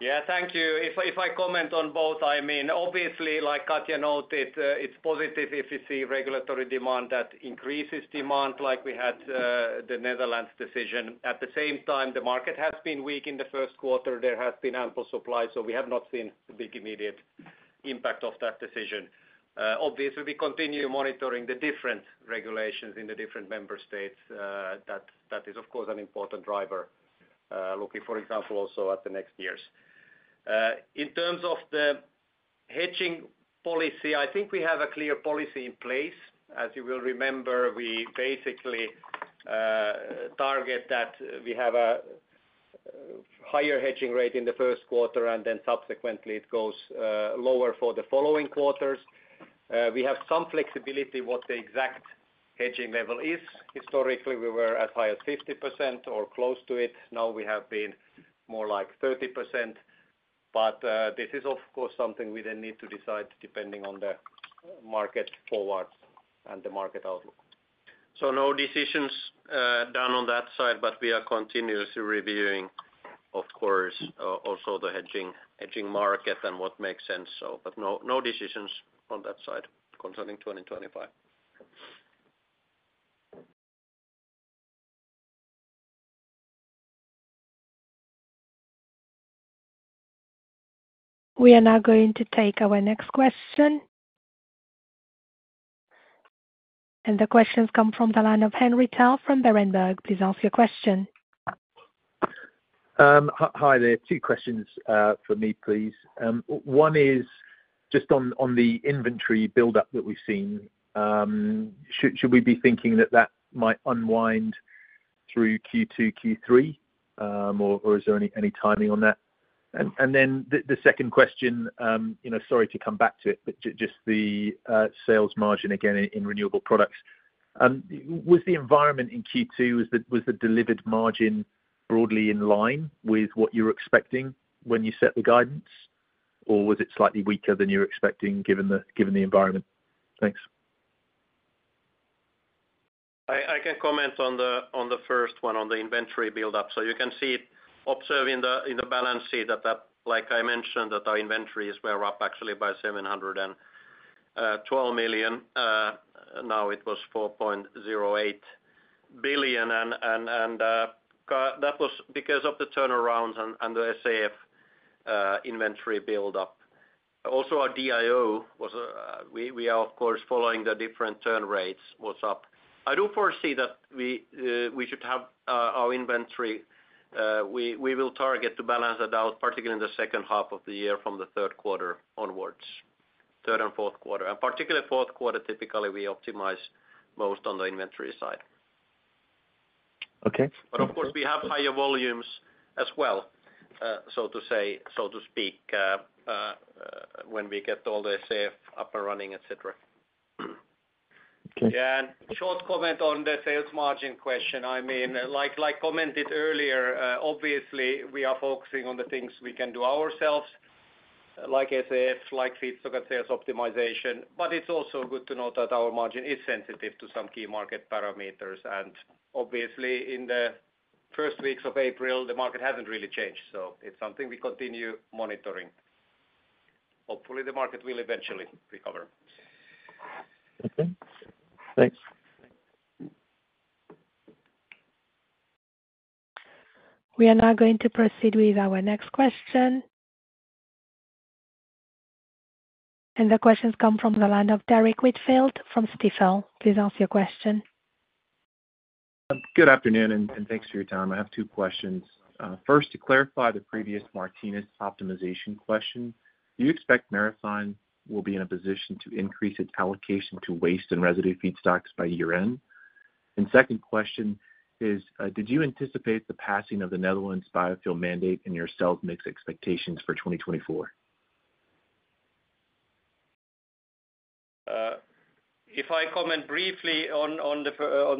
Yeah, thank you. If I comment on both, I mean, obviously, like Katja noted, it's positive if you see regulatory demand that increases demand like we had the Netherlands decision. At the same time, the market has been weak in the first quarter. There has been ample supply, so we have not seen the big immediate impact of that decision. Obviously, we continue monitoring the different regulations in the different member states, that is, of course, an important driver, looking, for example, also at the next years. In terms of the hedging policy, I think we have a clear policy in place. As you will remember, we basically target that we have a higher hedging rate in the first quarter, and then subsequently it goes lower for the following quarters. We have some flexibility what the exact hedging level is. Historically, we were as high as 50% or close to it. Now we have been more like 30%, but this is of course something we then need to decide depending on the market forwards and the market outlook. So no decisions done on that side, but we are continuously reviewing, of course, also the hedging, hedging market and what makes sense so, but no, no decisions on that side concerning 2025. We are now going to take our next question. The question's come from the line of Henry Tarr from Berenberg. Please ask your question. Hi there. Two questions from me, please. One is just on the inventory buildup that we've seen. Should we be thinking that that might unwind through Q2, Q3, or is there any timing on that? And then the second question, you know, sorry to come back to it, but just the sales margin again in renewable products. Was the environment in Q2 the delivered margin broadly in line with what you were expecting when you set the guidance? Or was it slightly weaker than you were expecting, given the environment? Thanks. I can comment on the first one, on the inventory buildup. So you can see it by observing the balance sheet that, like I mentioned, our inventories were up actually by 712 million. Now it was 4.08 billion, and that was because of the turnarounds and the SAF inventory buildup. Also, our DIO was up. We are of course following the different turn rates. I do foresee that we should have our inventory. We will target to balance that out, particularly in the second half of the year from the third quarter onwards, third and fourth quarter. And particularly fourth quarter, typically, we optimize most on the inventory side. Okay. But of course, we have higher volumes as well, so to say, so to speak, when we get all the SAF up and running, et cetera. Okay. Yeah, a short comment on the sales margin question. I mean, like, like commented earlier, obviously, we are focusing on the things we can do ourselves, like SAF, like feedstock and sales optimization. But it's also good to note that our margin is sensitive to some key market parameters, and obviously, in the first weeks of April, the market hasn't really changed, so it's something we continue monitoring. Hopefully, the market will eventually recover. Okay, thanks. We are now going to proceed with our next question. The question's come from the line of Derrick Whitfield from Stifel. Please ask your question. Good afternoon, and thanks for your time. I have two questions. First, to clarify the previous Martinez optimization question, do you expect Marathon will be in a position to increase its allocation to waste and residue feedstocks by year-end? Second question is, did you anticipate the passing of the Netherlands biofuel mandate in your sales mix expectations for 2024? If I comment briefly on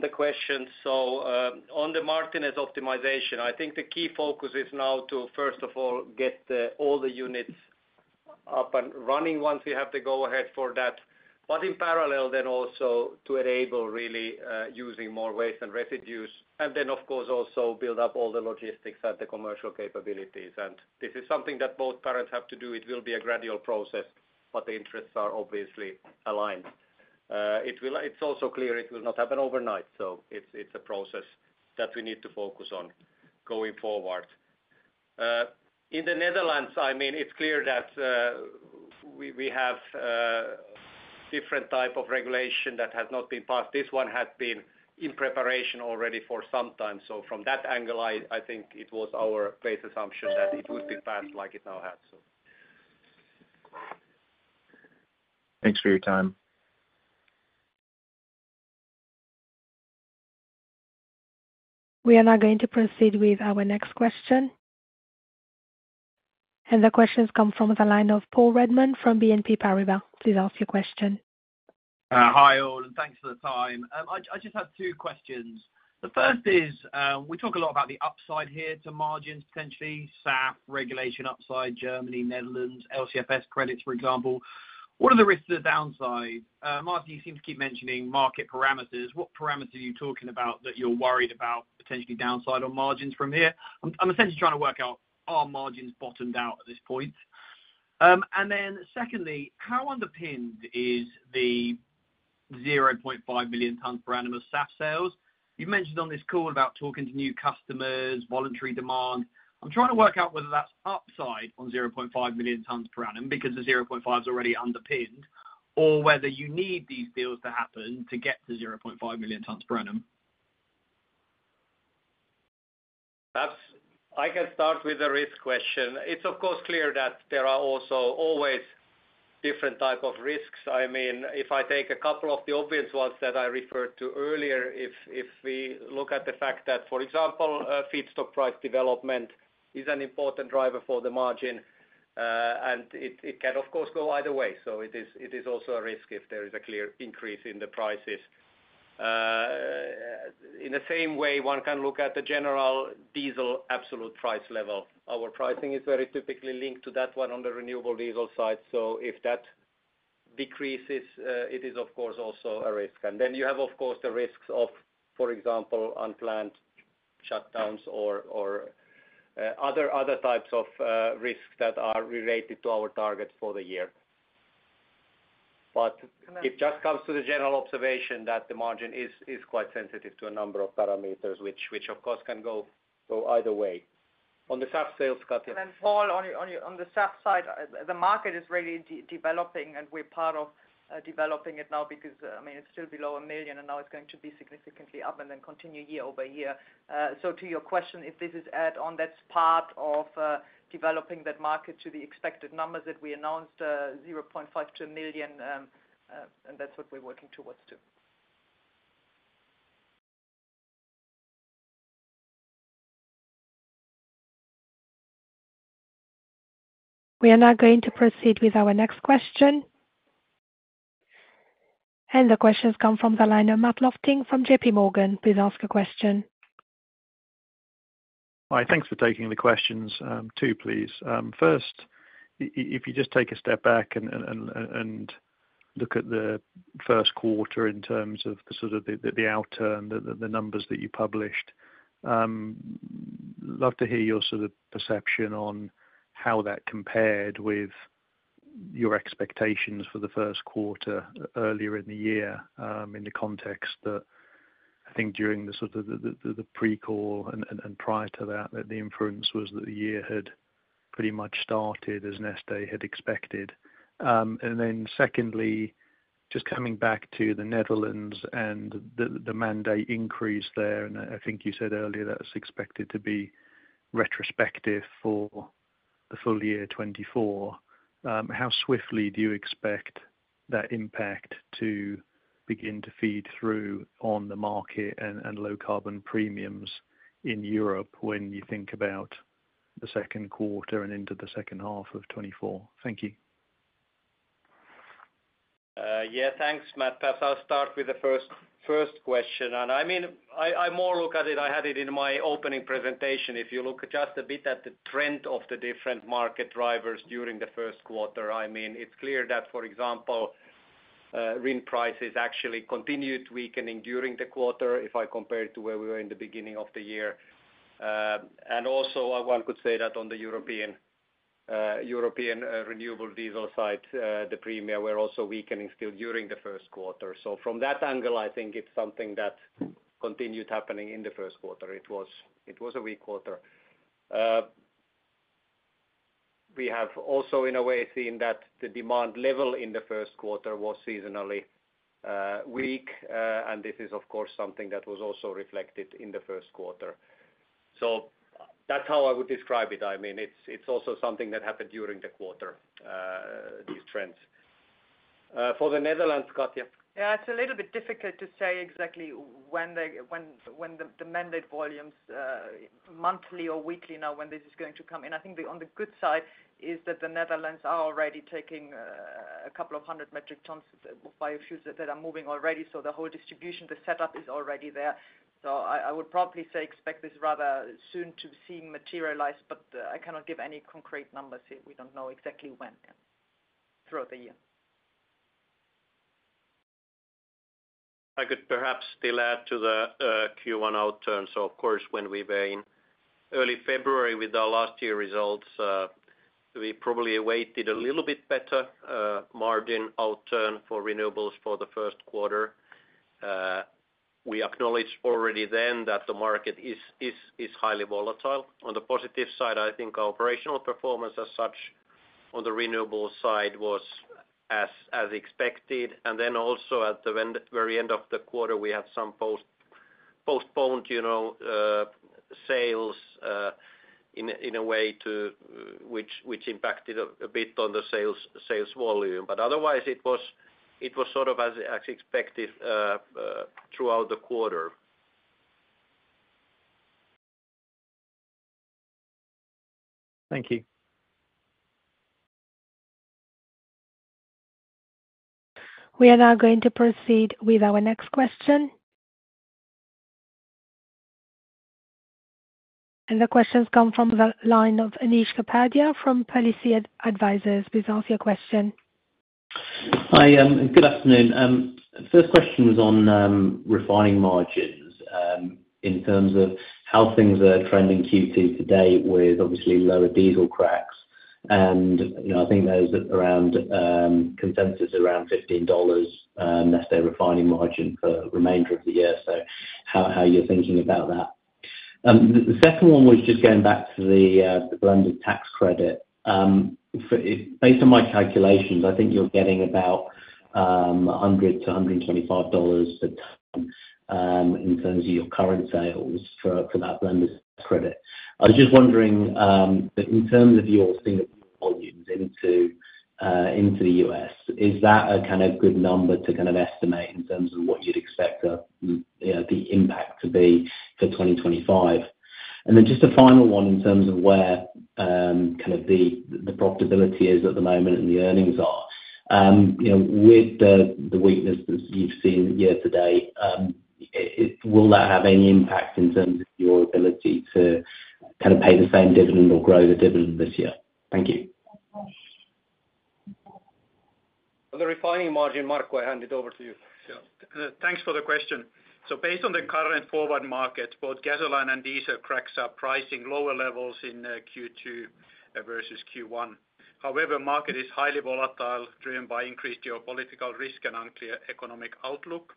the question, on the Martinez optimization, I think the key focus is now to first of all get all the units up and running once we have the go ahead for that. But in parallel, then also to enable really using more waste and residues, and then, of course, also build up all the logistics and the commercial capabilities. And this is something that both partners have to do. It will be a gradual process, but the interests are obviously aligned. It will. It's also clear it will not happen overnight, so it's a process that we need to focus on going forward. In the Netherlands, I mean, it's clear that we have a different type of regulation that has not been passed. This one has been in preparation already for some time. So from that angle, I think it was our base assumption that it would be passed like it now has, so. Thanks for your time. We are now going to proceed with our next question. The question's come from the line of Paul Redman from BNP Paribas. Please ask your question. Hi, all, and thanks for the time. I just have two questions. The first is, we talk a lot about the upside here to margins, potentially, SAF, regulation upside, Germany, Netherlands, LCFS credits, for example. What are the risks of the downside? Mark, you seem to keep mentioning market parameters. What parameter are you talking about that you're worried about potentially downside on margins from here? I'm essentially trying to work out, are margins bottomed out at this point? And then secondly, how underpinned is the 0.5 million tons per annum of SAF sales? You've mentioned on this call about talking to new customers, voluntary demand. I'm trying to work out whether that's upside on 0.5 million tons per annum, because the 0.5 is already underpinned, or whether you need these deals to happen to get to 0.5 million tons per annum. That's... I can start with the risk question. It's of course clear that there are also always different type of risks. I mean, if I take a couple of the obvious ones that I referred to earlier, if we look at the fact that, for example, feedstock price development is an important driver for the margin, and it can, of course, go either way. So it is also a risk if there is a clear increase in the prices. In the same way, one can look at the general diesel absolute price level. Our pricing is very typically linked to that one on the renewable diesel side, so if that decreases, it is, of course, also a risk. And then you have, of course, the risks of, for example, unplanned shutdowns or other types of risks that are related to our target for the year. But it just comes to the general observation that the margin is quite sensitive to a number of parameters, which of course, can go either way. On the SAF sales, Katja. Then, Paul, on the SAF side, the market is really developing, and we're part of developing it now, because, I mean, it's still below 1 million, and now it's going to be significantly up and then continue year-over-year. So to your question, if this is add on, that's part of developing that market to the expected numbers that we announced, 0.5 to 1 million, and that's what we're working towards. We are now going to proceed with our next question. The question has come from the line of Matt Lofting from J.P. Morgan. Please ask a question. Hi, thanks for taking the questions, two, please. First, if you just take a step back and look at the first quarter in terms of sort of the outturn, the numbers that you published, love to hear your sort of perception on how that compared with your expectations for the first quarter earlier in the year, in the context that I think during sort of the pre-call and prior to that, that the year had pretty much started as Neste had expected. And then secondly, just coming back to the Netherlands and the mandate increase there, and I think you said earlier that was expected to be retrospective for the full year 2024. How swiftly do you expect that impact to begin to feed through on the market and low carbon premiums in Europe when you think about the second quarter and into the second half of 2024? Thank you. Yeah, thanks, Matt. Perhaps I'll start with the first question. I mean, I more look at it, I had it in my opening presentation. If you look just a bit at the trend of the different market drivers during the first quarter, I mean, it's clear that, for example, RIN prices actually continued weakening during the quarter, if I compare it to where we were in the beginning of the year. And also, one could say that on the European renewable diesel side, the premium were also weakening still during the first quarter. So from that angle, I think it's something that continued happening in the first quarter. It was a weak quarter. We have also, in a way, seen that the demand level in the first quarter was seasonally weak, and this is, of course, something that was also reflected in the first quarter. So that's how I would describe it. I mean, it's also something that happened during the quarter, these trends. For the Netherlands, Katja? Yeah, it's a little bit difficult to say exactly when the mandate volumes, monthly or weekly, when this is going to come in. I think on the good side is that the Netherlands are already taking a couple of hundred metric tons of biofuels that are moving already, so the whole distribution, the setup is already there. So I would probably say expect this rather soon to seem materialized, but I cannot give any concrete numbers yet. We don't know exactly when throughout the year. I could perhaps still add to the Q1 outturn. So of course, when we were in early February with our last year results, we probably awaited a little bit better margin outturn for renewables for the first quarter. We acknowledged already then that the market is highly volatile. On the positive side, I think our operational performance as such on the renewable side was as expected. And then also at the very end of the quarter, we had some postponed, you know, sales in a way which impacted a bit on the sales volume. But otherwise it was sort of as expected throughout the quarter.... Thank you. We are now going to proceed with our next question. The question's come from the line of Anish Kapadia from Palissy Advisors. Please ask your question. Hi, good afternoon. First question was on refining margins, in terms of how things are trending Q2 to date with obviously lower diesel cracks. You know, I think there's around consensus around $15 net daily refining margin for remainder of the year. So how you're thinking about that? The second one was just going back to the Blender's Tax Credit. Based on my calculations, I think you're getting about $100-$125 a ton, in terms of your current sales for that blender's credit. I was just wondering, that in terms of your Singapore volumes into the U.S., is that a kind of good number to kind of estimate in terms of what you'd expect, you know, the impact to be for 2025? And then just a final one, in terms of where, kind of the profitability is at the moment and the earnings are. You know, with the weakness that you've seen year to date, will that have any impact in terms of your ability to kind of pay the same dividend or grow the dividend this year? Thank you. On the refining margin, Markku, I hand it over to you. Yeah. Thanks for the question. So based on the current forward market, both gasoline and diesel cracks are pricing lower levels in Q2 versus Q1. However, market is highly volatile, driven by increased geopolitical risk and unclear economic outlook.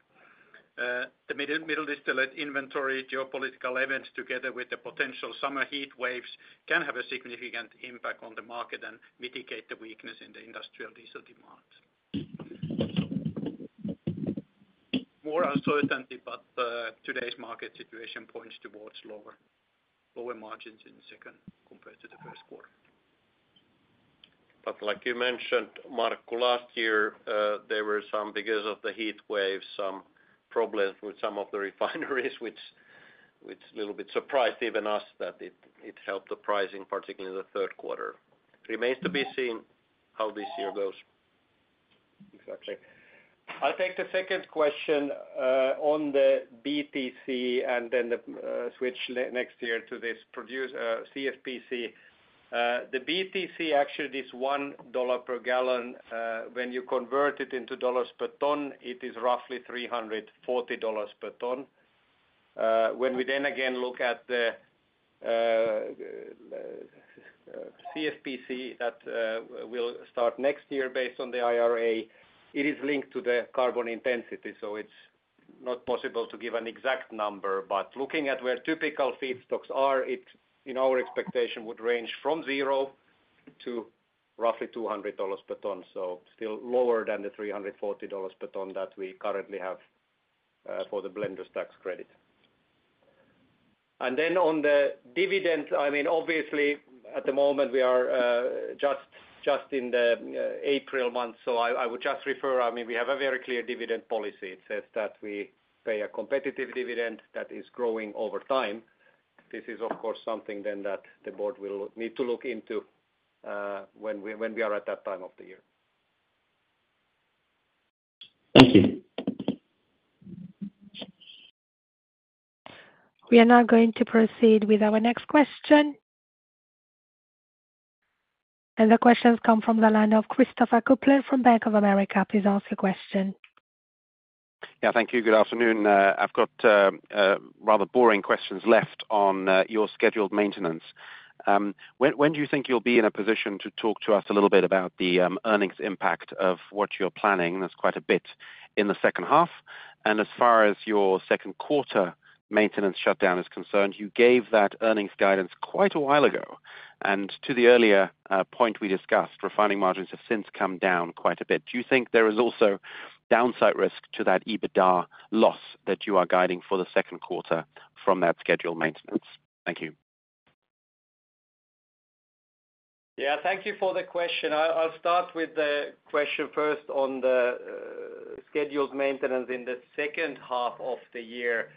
The middle distillate inventory, geopolitical events, together with the potential summer heatwaves, can have a significant impact on the market and mitigate the weakness in the industrial diesel demand. More uncertainty, but today's market situation points towards lower margins in the second compared to the first quarter. But like you mentioned, Markku, last year, there were some because of the heatwave some problems with some of the refineries which little bit surprised even us that it helped the pricing, particularly in the third quarter. Remains to be seen how this year goes. Exactly. I'll take the second question on the BTC, and then the switch next year to this producer's CFPC. The BTC actually is $1 per gallon. When you convert it into dollars per ton, it is roughly $340 per ton. When we then again look at the CFPC that will start next year based on the IRA, it is linked to the carbon intensity, so it's not possible to give an exact number. But looking at where typical feedstocks are, it, in our expectation, would range from $0 to roughly $200 per ton, so still lower than the $340 per ton that we currently have for the Blender's Tax Credit. And then on the dividend, I mean, obviously, at the moment, we are just in the April month, so I would just refer... I mean, we have a very clear dividend policy. It says that we pay a competitive dividend that is growing over time. This is, of course, something then that the board will need to look into when we are at that time of the year. Thank you. We are now going to proceed with our next question. The question's come from the line of Christopher Kuplent from Bank of America. Please ask your question. Yeah, thank you, good afternoon. I've got rather boring questions left on your scheduled maintenance. When do you think you'll be in a position to talk to us a little bit about the earnings impact of what you're planning? That's quite a bit in the second half. And as far as your second quarter maintenance shutdown is concerned, you gave that earnings guidance quite a while ago. And to the earlier point we discussed, refining margins have since come down quite a bit. Do you think there is also downside risk to that EBITDA loss that you are guiding for the second quarter from that scheduled maintenance? Thank you. Yeah, thank you for the question. I'll start with the question first on the scheduled maintenance in the second half of the year.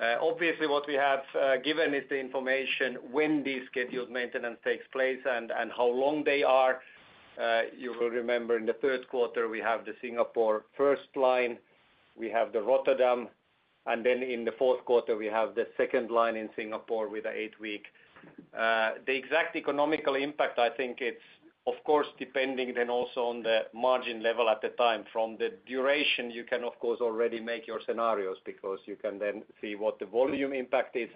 Obviously, what we have given is the information when the scheduled maintenance takes place and, and how long they are. You will remember in the third quarter, we have the Singapore first line, we have the Rotterdam, and then in the fourth quarter, we have the second line in Singapore with the eight-week. The exact economical impact, I think it's, of course, depending then also on the margin level at the time. From the duration, you can of course already make your scenarios, because you can then see what the volume impact is.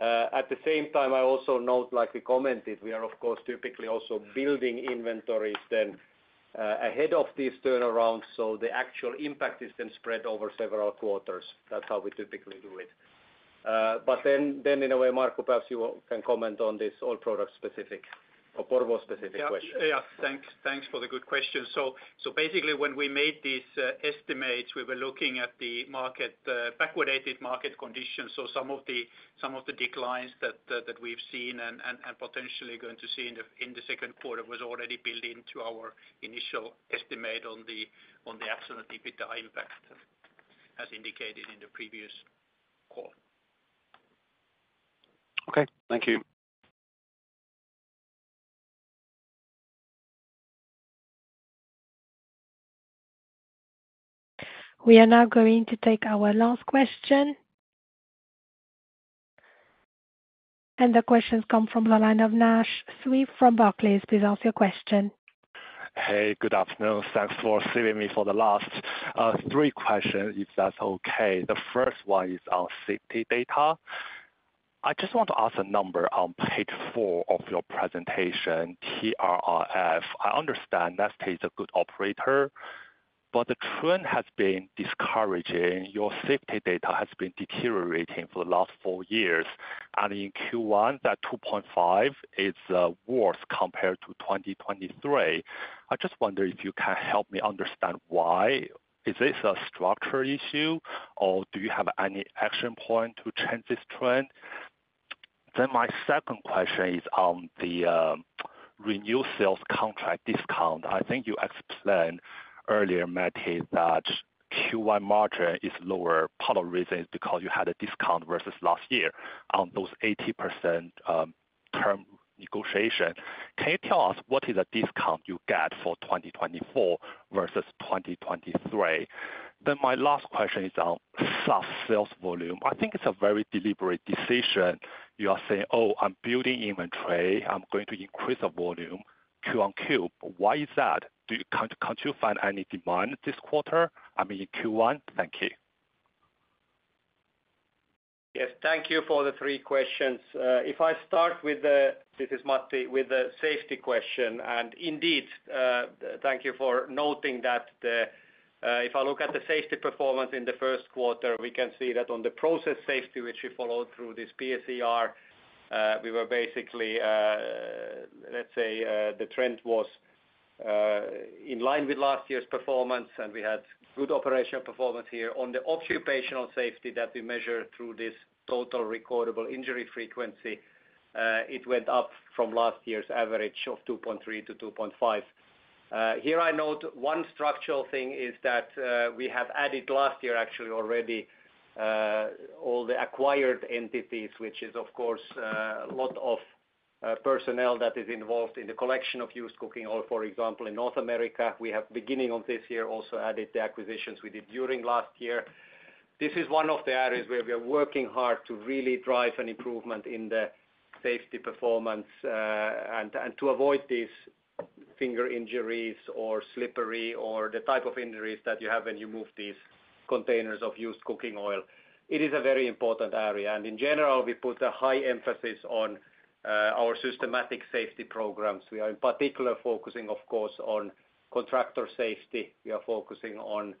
At the same time, I also note, like we commented, we are of course typically also building inventories then, ahead of these turnarounds, so the actual impact is then spread over several quarters. That's how we typically do it. But then, then in a way, Markku, perhaps you can comment on this oil products specific or Porvoo specific question. Yeah. Yeah, thanks, thanks for the good question. So, so basically, when we made these, estimates, we were looking at the market, backwardated market conditions. So some of the, some of the declines that, that we've seen and, and, and potentially going to see in the, in the second quarter was already built into our initial estimate on the, on the absolute EBITDA impact.... as indicated in the previous call. Okay, thank you. We are now going to take our last question. The question's come from the line of Naisheng Cui from Barclays. Please ask your question. Hey, good afternoon. Thanks for saving me for the last. Three questions, if that's okay. The first one is on safety data. I just want to ask a number on page 4 of your presentation, TRIF. I understand that Neste's a good operator, but the trend has been discouraging. Your safety data has been deteriorating for the last 4 years, and in Q1, that 2.5 is worse compared to 2023. I just wonder if you can help me understand why. Is this a structural issue, or do you have any action point to change this trend? Then my second question is on the renewable sales contract discount. I think you explained earlier, Matti, that Q1 margin is lower, part of the reason is because you had a discount versus last year on those 80% term negotiation. Can you tell us what is the discount you get for 2024 versus 2023? Then my last question is on SAF sales volume. I think it's a very deliberate decision. You are saying, "Oh, I'm building inventory. I'm going to increase the volume Q on Q." Why is that? Can't you find any demand this quarter, I mean, in Q1? Thank you. Yes, thank you for the 3 questions. If I start with the, this is Matti, with the safety question, and indeed, thank you for noting that the. If I look at the safety performance in the first quarter, we can see that on the process safety, which we followed through this PSER, we were basically, let's say, the trend was in line with last year's performance, and we had good operational performance here. On the occupational safety that we measured through this Total Recordable Injury Frequency, it went up from last year's average of 2.3 to 2.5. Here I note one structural thing is that, we have added last year, actually already, all the acquired entities, which is of course, a lot of, personnel that is involved in the collection of used cooking oil. For example, in North America, we have, beginning of this year, also added the acquisitions we did during last year. This is one of the areas where we are working hard to really drive an improvement in the safety performance, and to avoid these finger injuries or slippery or the type of injuries that you have when you move these containers of used cooking oil. It is a very important area, and in general, we put a high emphasis on, our systematic safety programs. We are in particular focusing, of course, on contractor safety. We are focusing on,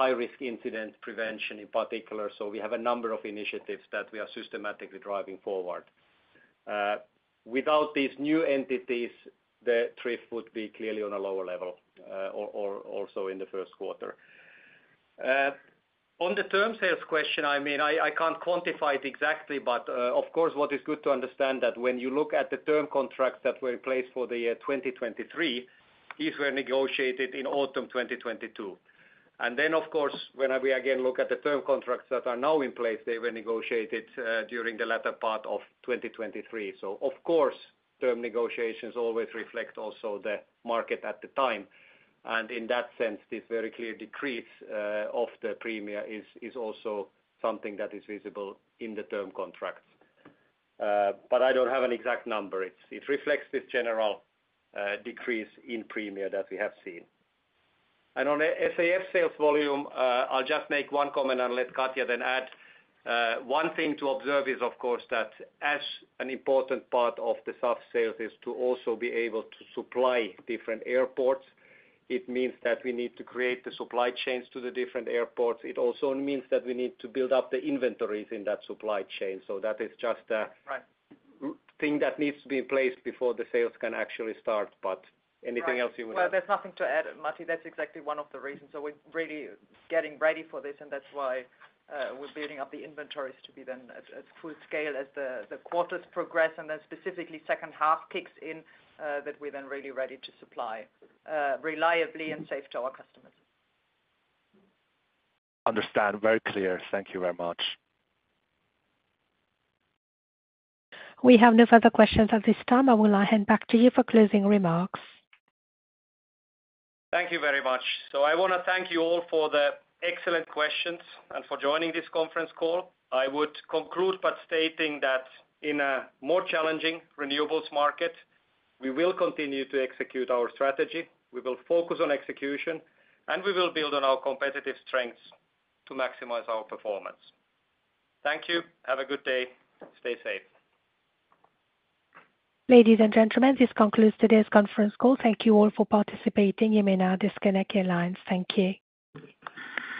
high-risk incident prevention in particular. So we have a number of initiatives that we are systematically driving forward. Without these new entities, the drift would be clearly on a lower level, or also in the first quarter. On the term sales question, I mean, I can't quantify it exactly, but of course, what is good to understand that when you look at the term contracts that were in place for the year 2023, these were negotiated in autumn 2022. And then, of course, when we again look at the term contracts that are now in place, they were negotiated during the latter part of 2023. So of course, term negotiations always reflect also the market at the time. And in that sense, this very clear decrease of the premium is also something that is visible in the term contracts. But I don't have an exact number. It reflects this general decrease in premium that we have seen. And on a SAF sales volume, I'll just make one comment and let Katja then add. One thing to observe is, of course, that as an important part of the SAF sales is to also be able to supply different airports, it means that we need to create the supply chains to the different airports. It also means that we need to build up the inventories in that supply chain. So that is just a- Right. thing that needs to be in place before the sales can actually start. But anything else you would add? Well, there's nothing to add, Matti. That's exactly one of the reasons. We're really getting ready for this, and that's why we're building up the inventories to be then at full scale as the quarters progress, and then specifically second half kicks in, that we're then really ready to supply reliably and safe to our customers. Understood, very clear. Thank you very much. We have no further questions at this time. I will now hand back to you for closing remarks. Thank you very much. I want to thank you all for the excellent questions and for joining this conference call. I would conclude by stating that in a more challenging renewables market, we will continue to execute our strategy, we will focus on execution, and we will build on our competitive strengths to maximize our performance. Thank you. Have a good day. Stay safe. Ladies and gentlemen, this concludes today's conference call. Thank you all for participating. You may now disconnect your lines. Thank you.